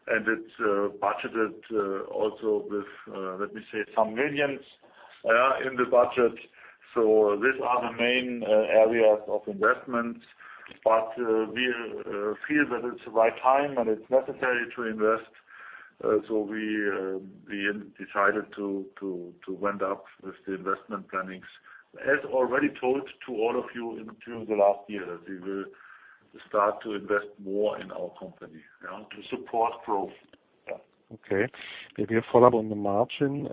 [SPEAKER 3] and it's budgeted also with, let me say, some EUR millions in the budget. So these are the main areas of investment. But we feel that it's the right time and it's necessary to invest. We decided to went up with the investment plannings. As already told to all of you during the last year, that we will start to invest more in our company to support growth.
[SPEAKER 5] Okay. Maybe a follow-up on the margin.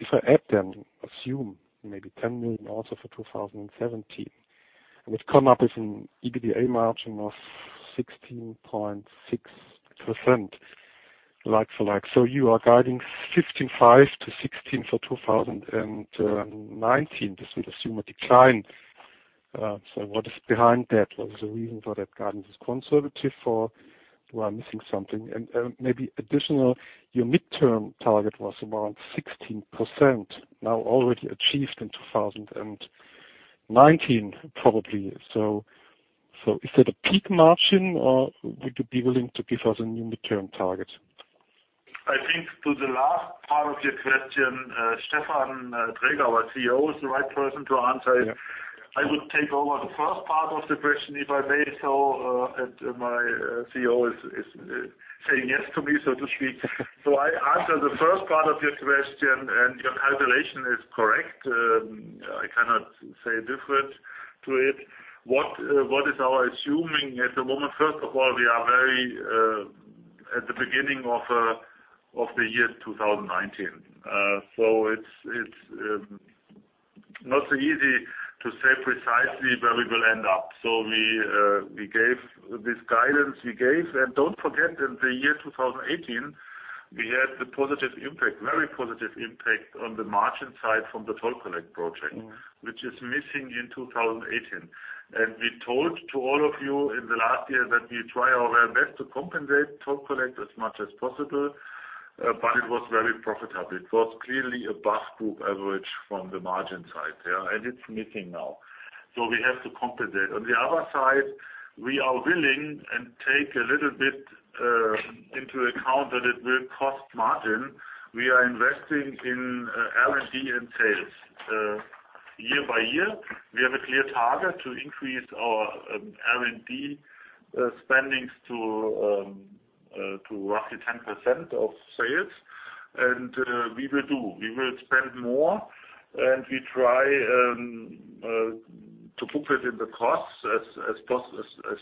[SPEAKER 5] If I add them, assume maybe 10 million also for 2017, it's come up with an EBITDA margin of 16.6% like for like. You are guiding 15.5% to 16% for 2019. This would assume a decline. What is behind that? What is the reason for that guidance? Is it conservative or we are missing something? Maybe additional, your midterm target was around 16%, now already achieved in 2019, probably. Is that a peak margin or would you be willing to give us a new midterm target?
[SPEAKER 3] I think to the last part of your question, Stefan Traeger, our CEO, is the right person to answer.
[SPEAKER 2] Yeah.
[SPEAKER 3] I would take over the first part of the question, if I may, and my CEO is saying yes to me, so to speak. I answer the first part of your question, your calculation is correct. I cannot say different to it. What is our assuming at the moment? First of all, we are very at the beginning of the year 2019. It's not so easy to say precisely where we will end up. We gave this guidance. Don't forget, in the year 2018, we had the positive impact, very positive impact on the margin side from the Toll Collect project. Which is missing in 2018. As we told to all of you in the last year that we try our very best to compensate Toll Collect as much as possible, it was very profitable. But clearly above group average from the margin side, yeah. It's missing now. We have to compensate. On the other side, we are willing and take a little bit into account that it will cost margin. We are investing in R&D and sales. Year by year, we have a clear target to increase our R&D spendings to roughly 10% of sales. We will do. We will spend more, we try to book it in the costs as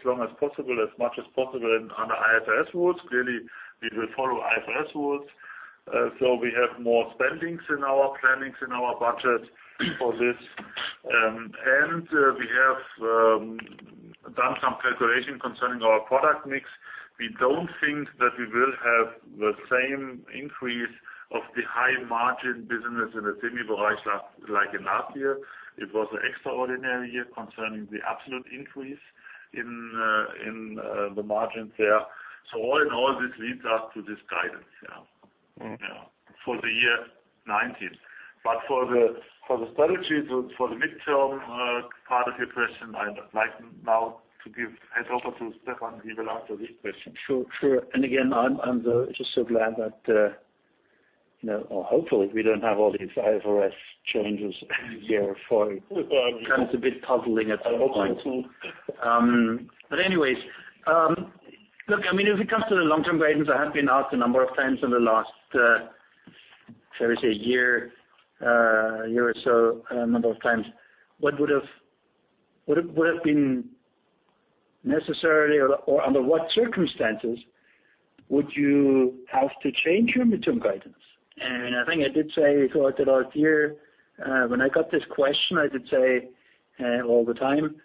[SPEAKER 3] long as possible, as much as possible and under IFRS rules. Clearly, we will follow IFRS rules. So we have more spendings in our plannings, in our budget for this. And so we have done some calculation concerning our product mix. We don't think that we will have the same increase of the high margin business in the semi branch like in last year. It was an extraordinary year concerning the absolute increase in the margins there. All in all, this leads us to this guidance, yeah. Yeah. For the year 2019. For the strategy, for the midterm part of your question, I would like now to give hand over to Stefan. He will answer this question.
[SPEAKER 2] Sure. Again, I'm just so glad that hopefully we don't have all these IFRS changes year four.
[SPEAKER 3] Well.
[SPEAKER 2] It's a bit puzzling at some point. Hopefully. But anyway. Look, I mean, if it comes to the long-term guidance, I have been asked a number of times in the last, shall we say, year or so, a number of times, what would have been necessary or under what circumstances would you have to change your mid-term guidance? I think I did say toward the last year, when I got this question, I did say all the time,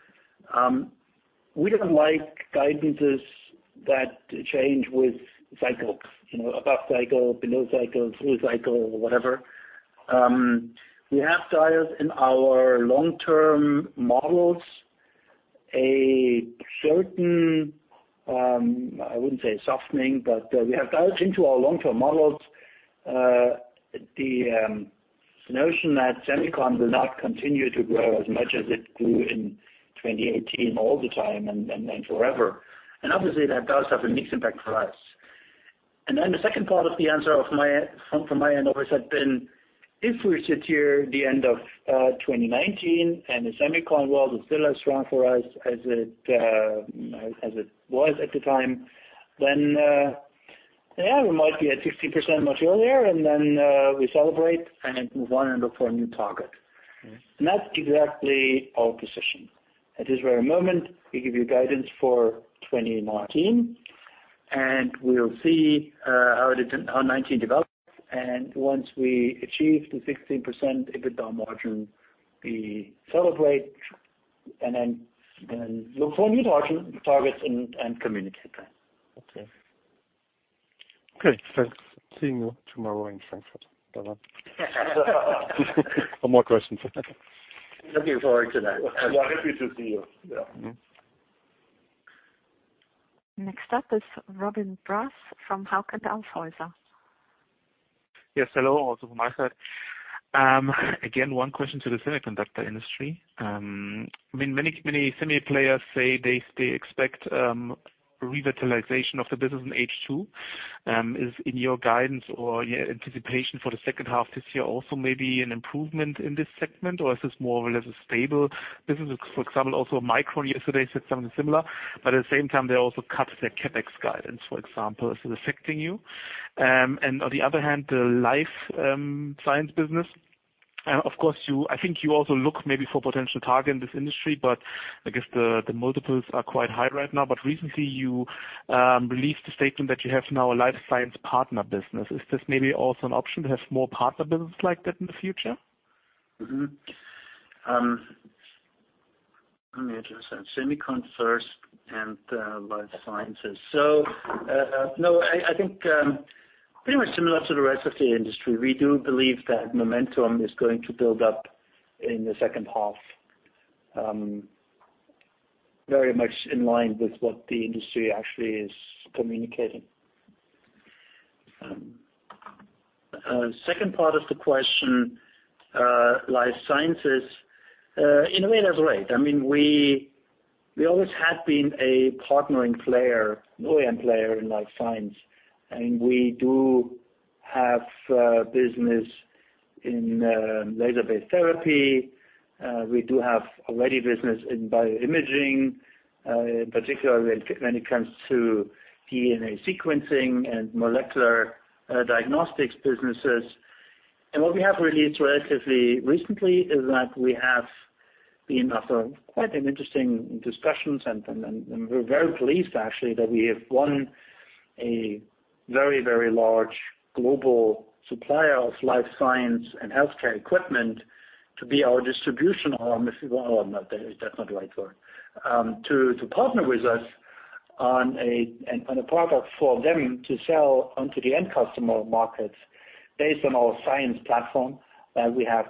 [SPEAKER 2] we don't like guidances that change with cycle. Above cycle, below cycle, through cycle, whatever. We have dialed in our long-term models a certain, I wouldn't say softening, but we have dialed into our long-term models the notion that semiconductor will not continue to grow as much as it grew in 2018 all the time and forever. Obviously that does have a mixed impact for us. The second part of the answer from my end always had been, if we sit here the end of 2019 and the semiconductor world is still as strong for us as it was at the time, then yeah, we might be at 16% much earlier and then we celebrate and move on and look for a new target. Yeah. That's exactly our position. At this very moment, we give you guidance for 2019, and we'll see how 2019 develops. Once we achieve the 16% EBITDA margin, we celebrate and then look for a new target and communicate that. Okay.
[SPEAKER 5] Okay. Thanks. Seeing you tomorrow in Frankfurt. Bye-bye.
[SPEAKER 2] No more questions. Looking forward to that.
[SPEAKER 3] We are happy to see you. Yeah.
[SPEAKER 1] Next up is Robin Brass from Hauck & Aufhäuser.
[SPEAKER 6] Yes. Hello, also from my side. Again, one question to the semiconductor industry. I mean, many semi players say they expect revitalization of the business in H2. Is in your guidance or your anticipation for the H2 this year also maybe an improvement in this segment, or is this more or less a stable business? Also Micron yesterday said something similar, but at the same time, they also cut their CapEx guidance, for example. Is it affecting you? On the other hand, the life science business. Of course, I think you also look maybe for potential target in this industry, but I guess the multiples are quite high right now. Recently you released a statement that you have now a life science partner business. Is this maybe also an option to have more partner business like that in the future?
[SPEAKER 2] Mm-hmm. Let me address that. Semiconductors first and life sciences. No, I think pretty much similar to the rest of the industry. We do believe that momentum is going to build up in the H2. Very much in line with what the industry actually is communicating. Second part of the question, life sciences, in a way that's right. We always have been a partnering player, OEM player in life science, and we do have business in laser-based therapy. We do have already business in bio-imaging, in particular when it comes to DNA sequencing and molecular diagnostics businesses. What we have released relatively recently is that we have been after quite an interesting discussion, and we're very pleased actually that we have won a very very large global supplier of life science and healthcare equipment to be our distribution arm as well. To Partner with us on a product for them to sell onto the end customer markets based on our science platform that we have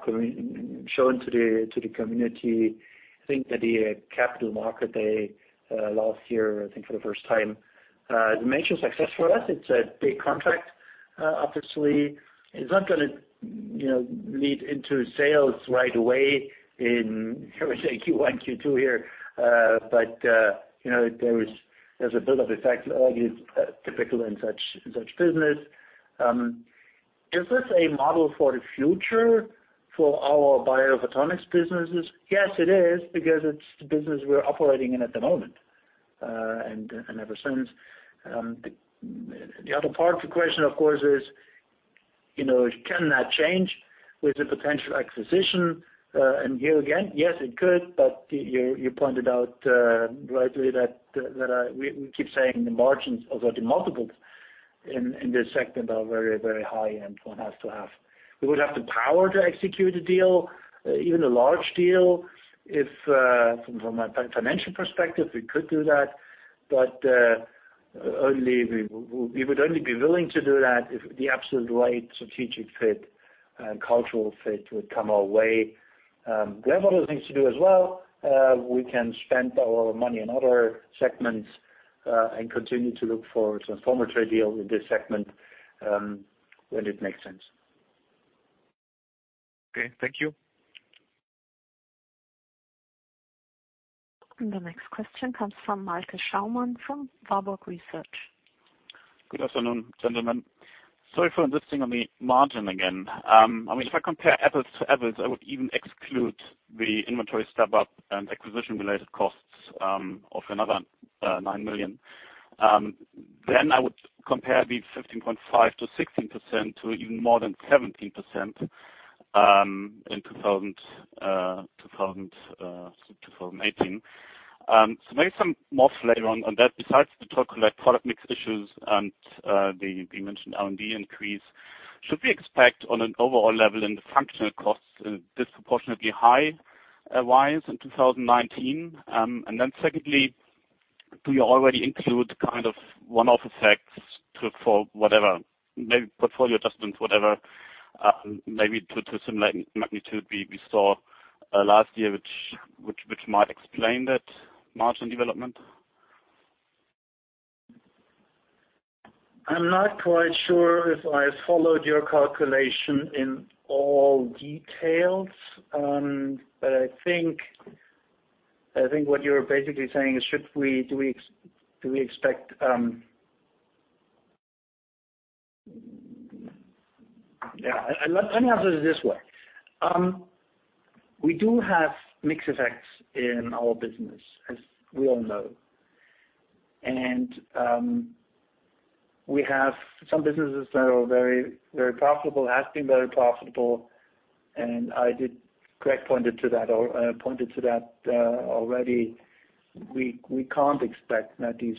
[SPEAKER 2] shown to the community, I think at a capital market day last year, I think for the first time. It's a major success for us. It's a big contract. Obviously, it's not going to lead into sales right away in, I would say Q1, Q2 here. By there's a build-up effect, as is typical in such business. Is this a model for the future for our biophotonics businesses? Yes, it is, because it's the business we're operating in at the moment, and ever since. The other part of the question, of course, is can that change with a potential acquisition? Here again, yes, it could. You pointed out rightly that we keep saying the margins or the multiples in this segment are very high. We would have the power to execute a deal, even a large deal. From a financial perspective, we could do that, but we would only be willing to do that if the absolute right strategic fit and cultural fit would come our way. We have other things to do as well. We can spend our money on other segments, and continue to look for a transformative deal with this segment when it makes sense.
[SPEAKER 7] Okay. Thank you.
[SPEAKER 1] The next question comes from Michael Schaumann from Warburg Research.
[SPEAKER 7] Good afternoon, gentlemen. Sorry for insisting on the margin again. If I compare apples to apples, I would even exclude the inventory step-up and acquisition-related costs of another 9 million. I would compare the 15.5% to 16% to even more than 17% in 2018. Maybe some more flavor on that. Besides the talk like product mix issues and the mentioned R&D increase, should we expect on an overall level in the functional costs disproportionately high rise in 2019? And then secondly, do you already include kind of one-off effects for whatever, maybe portfolio adjustments, whatever, maybe to some magnitude we saw last year, which might explain that margin development?
[SPEAKER 2] I'm not quite sure if I followed your calculation in all details. And I think what you're basically saying is do we expect. Let me answer it this way. We do have mix effects in our business, as we all know. And we have some businesses that are very profitable, have been very profitable, and Craig pointed to that already. We can't expect that these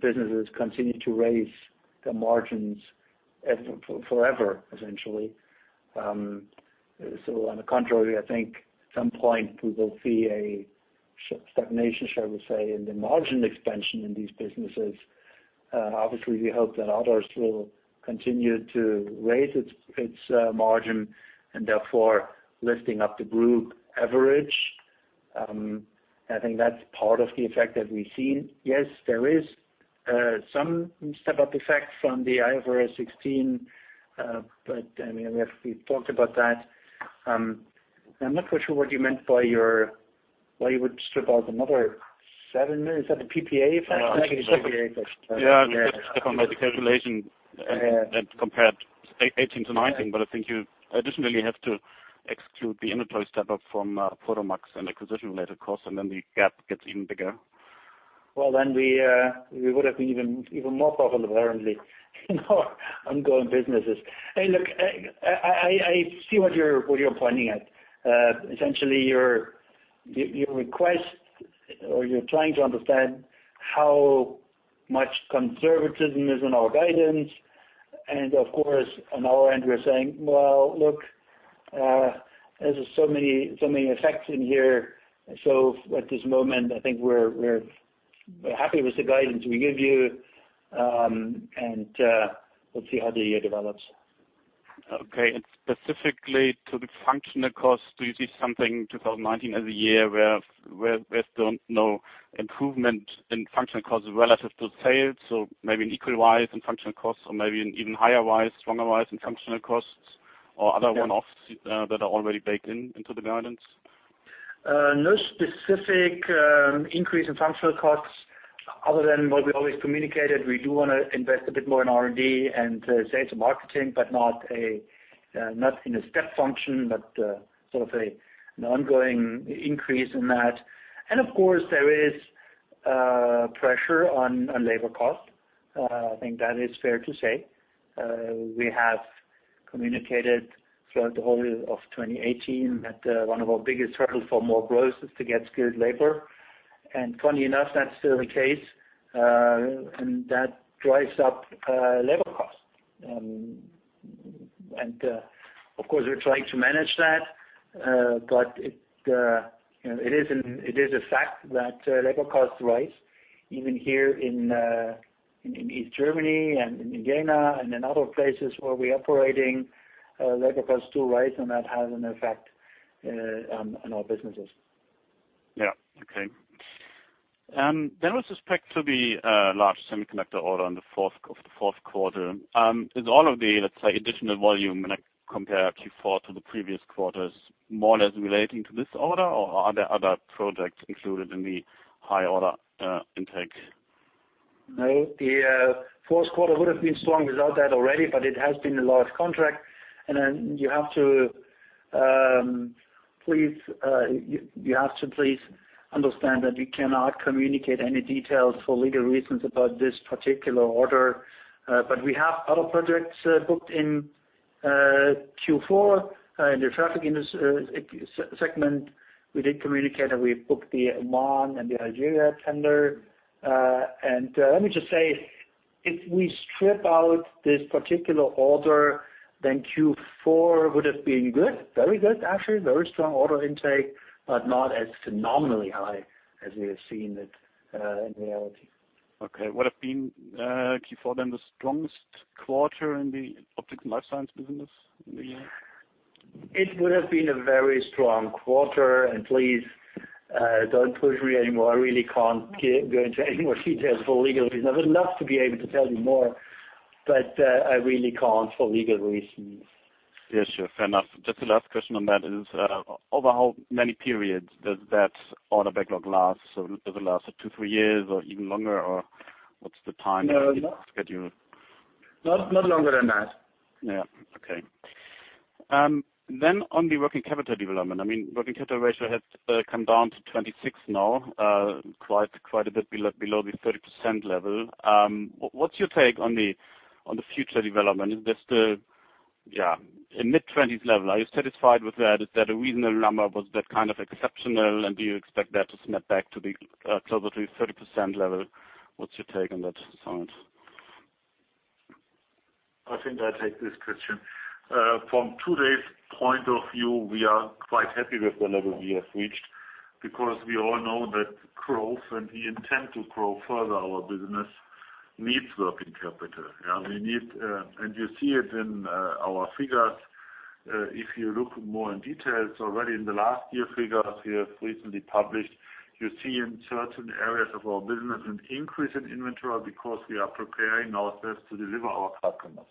[SPEAKER 2] businesses continue to raise the margins forever, essentially. On the contrary, I think at some point we will see a stagnation, shall we say, in the margin expansion in these businesses. Obviously, we hope that others will continue to raise its margin, and therefore lifting up the group average. I think that's part of the effect that we've seen. Yes, there is some step-up effect from the IFRS 16. We talked about that. I'm not quite sure what you meant by why you would strip out another 7 million. Is that the PPA effect? I think it's the PPA effect.
[SPEAKER 7] Yeah. Just step up my calculation and compared 2018 to 2019. I think you additionally have to exclude the inventory step-up from Prodomax and acquisition-related costs, and then the gap gets even bigger.
[SPEAKER 2] Then we would have been even more profitable, apparently, in our ongoing businesses. Hey, look, I see what you're pointing at. Essentially, you request or you're trying to understand how much conservatism is in our guidance. And of course, on our end, we're saying, well, look, there's so many effects in here. So at this moment, I think we're happy with the guidance we give you. Let's see how the year develops.
[SPEAKER 7] Okay. Specifically to the functional costs, do you see something 2019 as a year where there's no improvement in functional costs relative to sales? Maybe an equal rise in functional costs or maybe an even higher rise, stronger rise in functional costs or other one-offs that are already baked into the guidance?
[SPEAKER 2] No specific increase in functional costs other than what we always communicated. We do want to invest a bit more in R&D and sales and marketing, but not in a step function, but sort of an ongoing increase in that. Of course, there is pressure on labor cost. I think that is fair to say. We have communicated throughout the whole of 2018 that one of our biggest hurdles for more growth is to get skilled labor. Funny enough, that's still the case, and that drives up labor cost. And of course, we're trying to manage that, but it is a fact that labor costs rise, even here in East Germany and in Jena and in other places where we are operating. Labor costs do rise, and that has an effect on our businesses.
[SPEAKER 7] Okay. With respect to the large semiconductor order of the Q4, is all of the, let's say, additional volume when I compare Q4 to the previous quarters more or less relating to this order, or are there other products included in the high order intake?
[SPEAKER 2] No, the Q4 would have been strong without that already. It has been a large contract, and you have to please understand that we cannot communicate any details for legal reasons about this particular order. We have other projects booked in Q4 in the traffic segment. We did communicate that we booked the Oman and the Algeria tender. Let me just say, if we strip out this particular order, Q4 would have been good. Very good, actually, very strong order intake, but not as phenomenally high as we have seen it in reality.
[SPEAKER 7] Okay. Would have been Q4, then the strongest quarter in the Optics & Life Science business in the year?
[SPEAKER 2] It would have been a very strong quarter. Please, don't push me anymore. I really can't go into any more details for legal reasons. I would love to be able to tell you more, but I really can't for legal reasons.
[SPEAKER 7] Yeah, sure. Fair enough. Just the last question on that is, over how many periods does that order backlog last? Does it last for two, three years or even longer, or what's the time-
[SPEAKER 2] No
[SPEAKER 7] in the schedule?
[SPEAKER 2] Not longer than that.
[SPEAKER 7] Yeah. Okay. On the working capital development, working capital ratio has come down to 26 now, quite a bit below the 30% level. What's your take on the future development? Yeah, a mid-20s level. Are you satisfied with that? Is that a reasonable number? Was that kind of exceptional, and do you expect that to snap back to the closer to 30% level? What's your take on that side?
[SPEAKER 3] I think I take this question. From today's point of view, we are quite happy with the level we have reached because we all know that growth, and we intend to grow further our business, needs working capital. And you see it in our figures. If you look more in details already in the last year figures we have recently published, you see in certain areas of our business an increase in inventory because we are preparing ourselves to deliver our customers.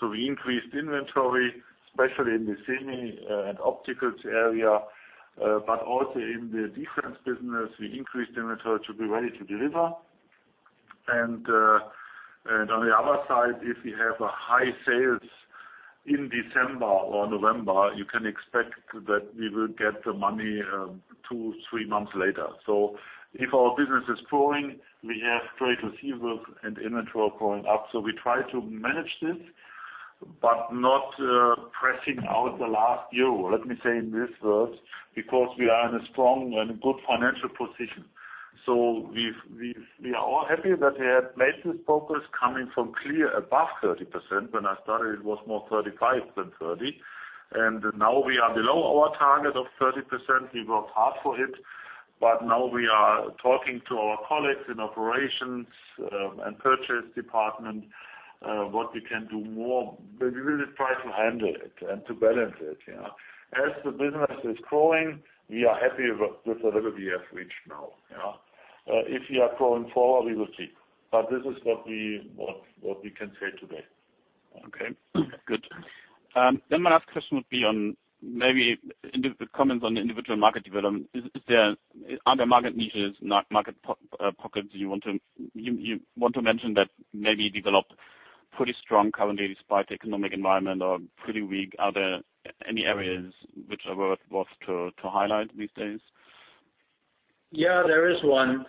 [SPEAKER 3] So we increased inventory, especially in the semi and optical area, but also in the defense business. We increased inventory to be ready to deliver. And on the other side, if we have high sales in December or November, you can expect that we will get the money two, three months later. So if our business is growing, we have trade receivables and inventory going up. We try to manage this, but not pressing out the last EUR, let me say in these words, because we are in a strong and good financial position. So we are all happy that we have made this progress coming from clear above 30%. When I started, it was more 35% than 30%, and now we are below our target of 30%. We worked hard for it, but now we are talking to our colleagues in operations and purchase department what we can do more. We really try to handle it and to balance it. As the business is growing, we are happy with the level we have reached now. If we are growing forward, we will see. This is what we can say today.
[SPEAKER 7] Okay. Good. My last question would be on maybe in the comments on the individual market development. Are there market niches, market pockets you want to mention that maybe developed pretty strong currently despite the economic environment or pretty weak? Are there any areas which are worth to highlight these days?
[SPEAKER 2] Yeah, there is one.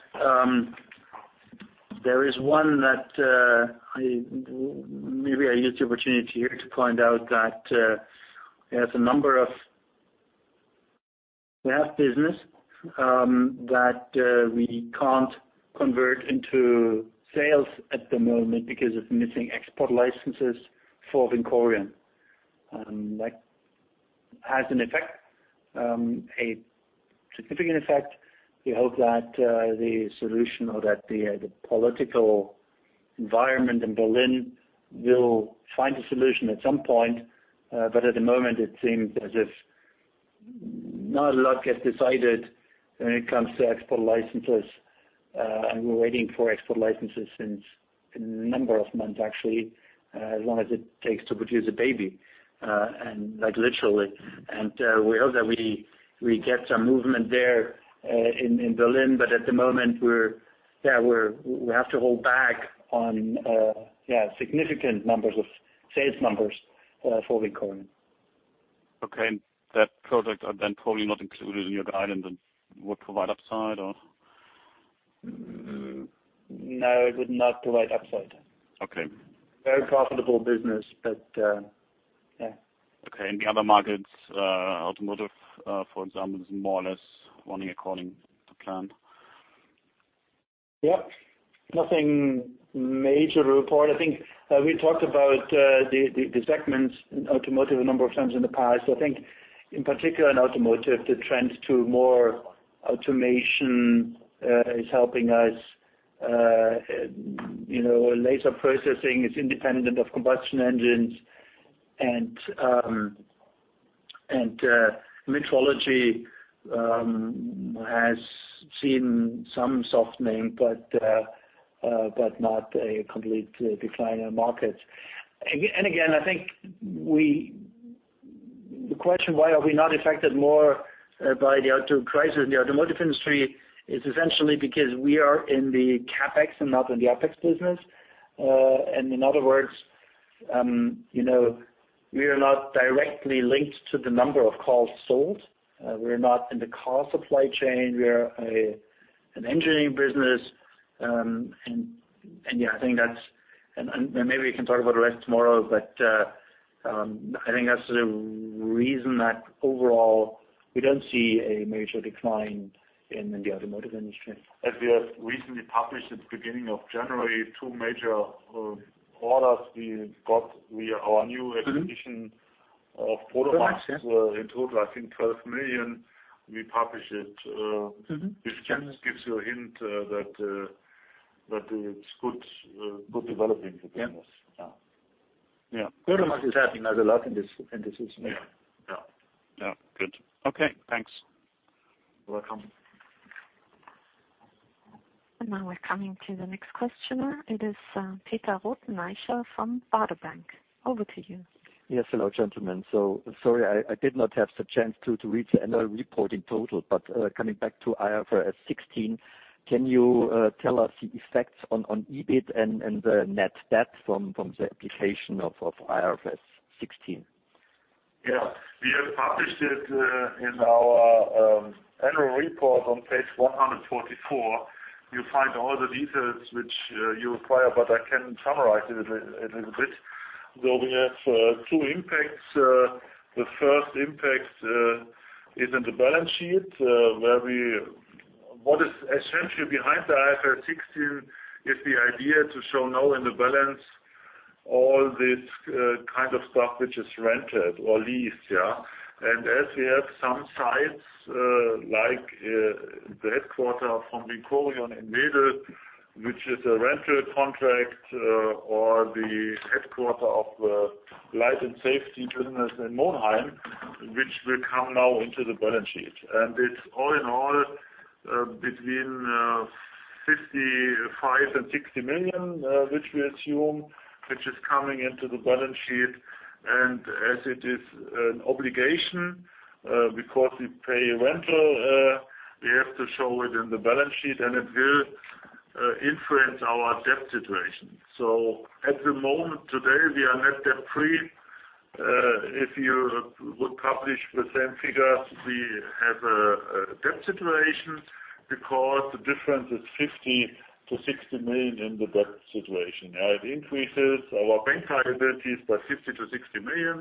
[SPEAKER 2] There is one that maybe I use the opportunity here to point out that there's a number of We have business that we can't convert into sales at the moment because of missing export licenses for VINCORION. It has a significant effect. We hope that the solution or that the political environment in Berlin will find a solution at some point. At the moment it seems as if not a lot gets decided when it comes to export licenses. We're waiting for export licenses since a number of months actually, as long as it takes to produce a baby, and literally. We hope that we get some movement there in Berlin. At the moment we have to hold back on significant numbers of sales numbers for VINCORION.
[SPEAKER 7] Okay. That product are then probably not included in your guidance and would provide upside or?
[SPEAKER 2] No, it would not provide upside.
[SPEAKER 7] Okay.
[SPEAKER 2] Very profitable business, yeah.
[SPEAKER 7] Okay. The other markets, automotive, for example, is more or less running according to plan.
[SPEAKER 2] Yeah. Nothing major to report. I think we talked about the segments in automotive a number of times in the past. I think in particular in automotive, the trends to more automation is helping us. Laser processing is independent of combustion engines and metrology has seen some softening, but not a complete decline in markets. Again, I think the question, why are we not affected more by the auto crisis in the automotive industry is essentially because we are in the CapEx and not in the OpEx business. In other words, we are not directly linked to the number of cars sold. We are not in the car supply chain. We are an engineering business. Maybe we can talk about the rest tomorrow, but, I think that's the reason that overall we don't see a major decline in the automotive industry.
[SPEAKER 3] We have recently published at the beginning of January two major orders we got via our new acquisition of OTTO Vision-
[SPEAKER 2] OTTO Vision, yeah
[SPEAKER 3] in total, I think 12 million. We publish it. gives you a hint that it's good developing business.
[SPEAKER 2] Yeah. photonics is helping us a lot in this business.
[SPEAKER 3] Yeah.
[SPEAKER 7] Yeah. Good. Okay, thanks.
[SPEAKER 2] You're welcome.
[SPEAKER 1] Now we're coming to the next questioner. It is Peter Rothenaicher from Baader Bank. Over to you.
[SPEAKER 8] Yes. Hello, gentlemen. Sorry, I did not have the chance to read the annual report in total, coming back to IFRS 16, can you tell us the effects on EBIT and the net debt from the application of IFRS 16?
[SPEAKER 3] Yeah we have published it in our annual report on page 144. You find all the details which you require, I can summarize it a little bit. We have two impacts. The first impact is in the balance sheet, what is essentially behind the IFRS 16 is the idea to show now in the balance all this kind of stuff which is rented or leased. As we have some sites, like the headquarter from VINCORION in Wedel, which is a rental contract or the headquarter of the Light & Safety business in Monheim, which will come now into the balance sheet. It's all in all between 55 million and 60 million, which we assume, which is coming into the balance sheet. As it is an obligation, because we pay rental, we have to show it in the balance sheet and it will influence our debt situation. At the moment today, we are net debt free. If you would publish the same figures, we have a debt situation because the difference is 50 million to 60 million in the debt situation. It increases our bank liabilities by 50 million to 60 million,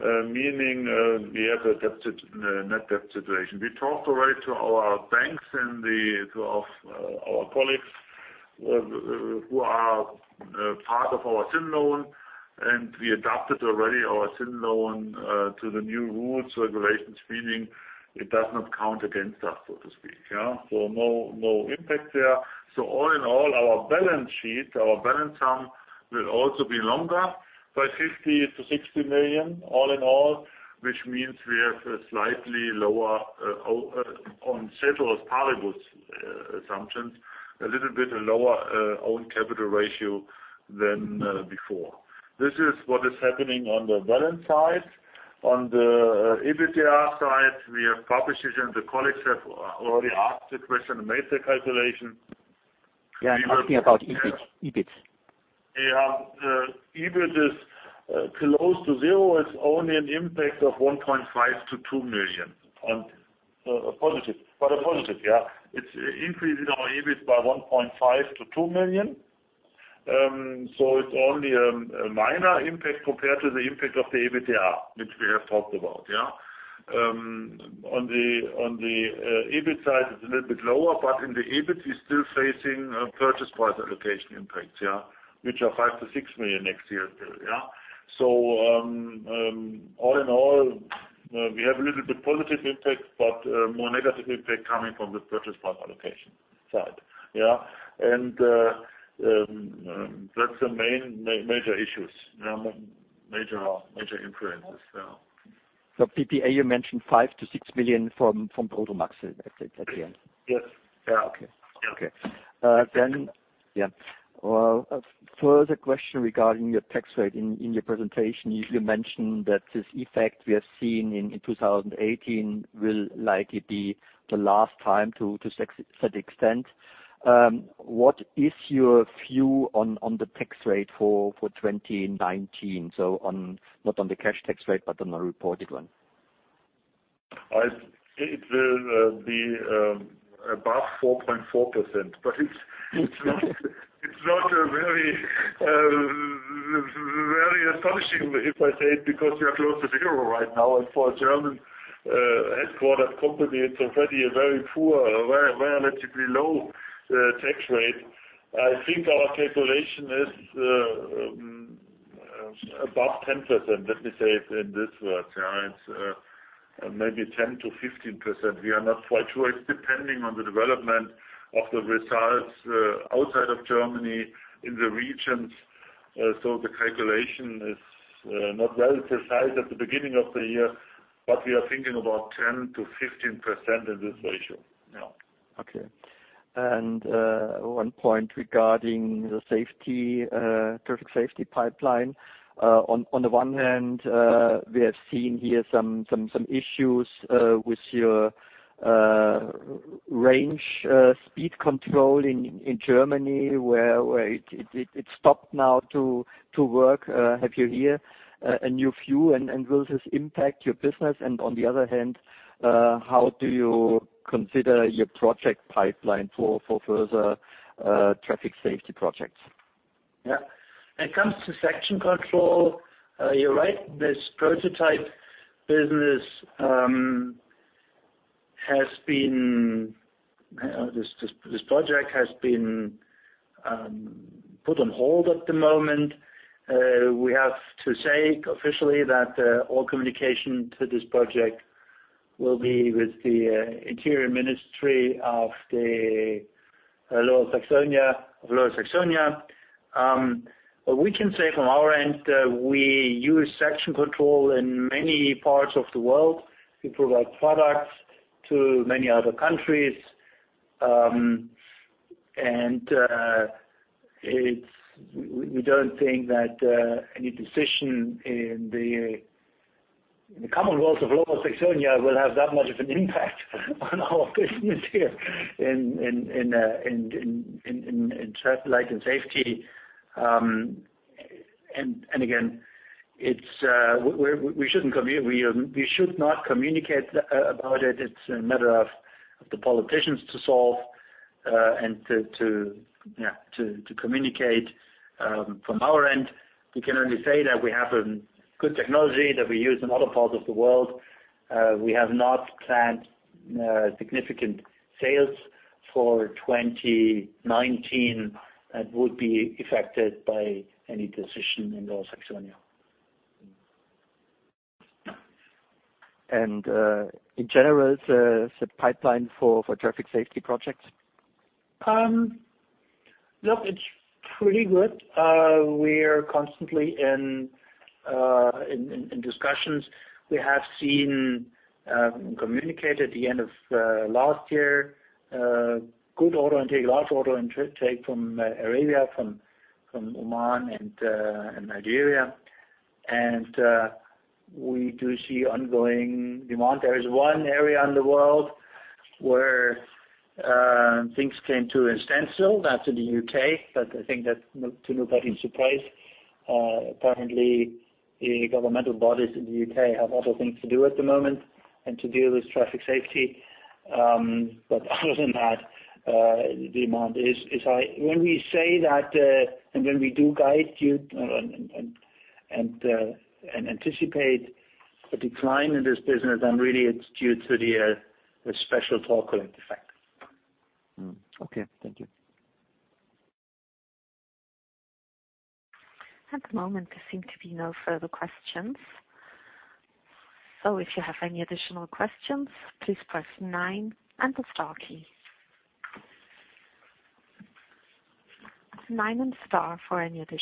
[SPEAKER 3] meaning, we have a net debt situation. We talked already to our banks and to our colleagues who are part of our syndicated loan, we adapted already our syndicated loan to the new rules, regulations, meaning it does not count against us, so to speak. No impact there. So all in all, our balance sheet, our balance sum will also be longer by 50 million-60 million, all in all, which means we have a slightly lower. On shareholders' ceteris paribus assumptions, a little bit lower own capital ratio than before. This is what is happening on the balance side. On the EBITDA side, we have published it and the colleagues have already asked the question and made the calculation.
[SPEAKER 8] I'm asking about EBIT.
[SPEAKER 3] Yeah, the EBIT is close to zero. It's only an impact of 1.5 million to 2 million on. Positive. A positive. It's increasing our EBIT by 1.5 million to 2 million. For only a minor impact compared to the impact of the EBITDA, which we have talked about. On the EBIT side, it's a little bit lower, but in the EBIT, we're still facing purchase price allocation impacts, which are 5 million to 6 million next year still. So, all in all, we have a little bit positive impact, but more negative impact coming from the purchase price allocation side. That's the major issues, major influences.
[SPEAKER 8] PPA, you mentioned 5 million to EUR 6 million from Prodomax at the end.
[SPEAKER 3] Yes.
[SPEAKER 8] Okay.
[SPEAKER 3] Yeah.
[SPEAKER 8] A further question regarding your tax rate. In your presentation, you mentioned that this effect we have seen in 2018 will likely be the last time to that extent. What is your view on the tax rate for 2019? Not on the cash tax rate, but on the reported one.
[SPEAKER 3] It will be above 4.4%, but it's not very astonishing, if I say it, because we are close to zero right now. For a German headquartered company, it's already a very poor, relatively low tax rate. I think our calculation is above 10%, let me say it in these words. It's maybe 10 to 15%. We are not quite sure. It's depending on the development of the results outside of Germany in the regions. The calculation is not well precise at the beginning of the year, but we are thinking about 10 to 15% in this ratio.
[SPEAKER 8] One point regarding the traffic safety pipeline. On the one hand, we have seen here some issues with your section control in Germany, where it stopped now to work. Have you here a new view and will this impact your business? On the other hand, how do you consider your project pipeline for further traffic safety projects?
[SPEAKER 3] Yeah. When it comes to section control, you're right, this prototype business, this project has been put on hold at the moment. We have to say officially that all communication to this project will be with the interior ministry of Lower Saxony. We can say from our end, we use section control in many parts of the world. We provide products to many other countries. We don't think that any decision in the commonwealth of Lower Saxony will have that much of an impact on our business here in Light & Safety. Again, we should not communicate about it. It's a matter of the politicians to solve and to communicate. From our end, we can only say that we have a good technology that we use in other parts of the world. We have not planned significant sales for 2019 that would be affected by any decision in Lower Saxony.
[SPEAKER 8] And in general, the pipeline for traffic safety projects?
[SPEAKER 3] Look, it's pretty good. We're constantly in discussions. We have seen communicated at the end of last year, good order intake, large order intake from Arabia, from Oman and Algeria. And we do see ongoing demand. There is one area in the world where things came to a standstill. That's in the U.K., but I think that's to nobody's surprise. Apparently, the governmental bodies in the U.K. have other things to do at the moment than to deal with traffic safety. Other than that, demand is high. When we say that and when we do guide you and anticipate a decline in this business, and really it's due to the special talk effect.
[SPEAKER 8] Okay. Thank you.
[SPEAKER 1] At the moment, there seem to be no further questions. If you have any additional questions, please press nine and the star key. Nine and star for any additional questions.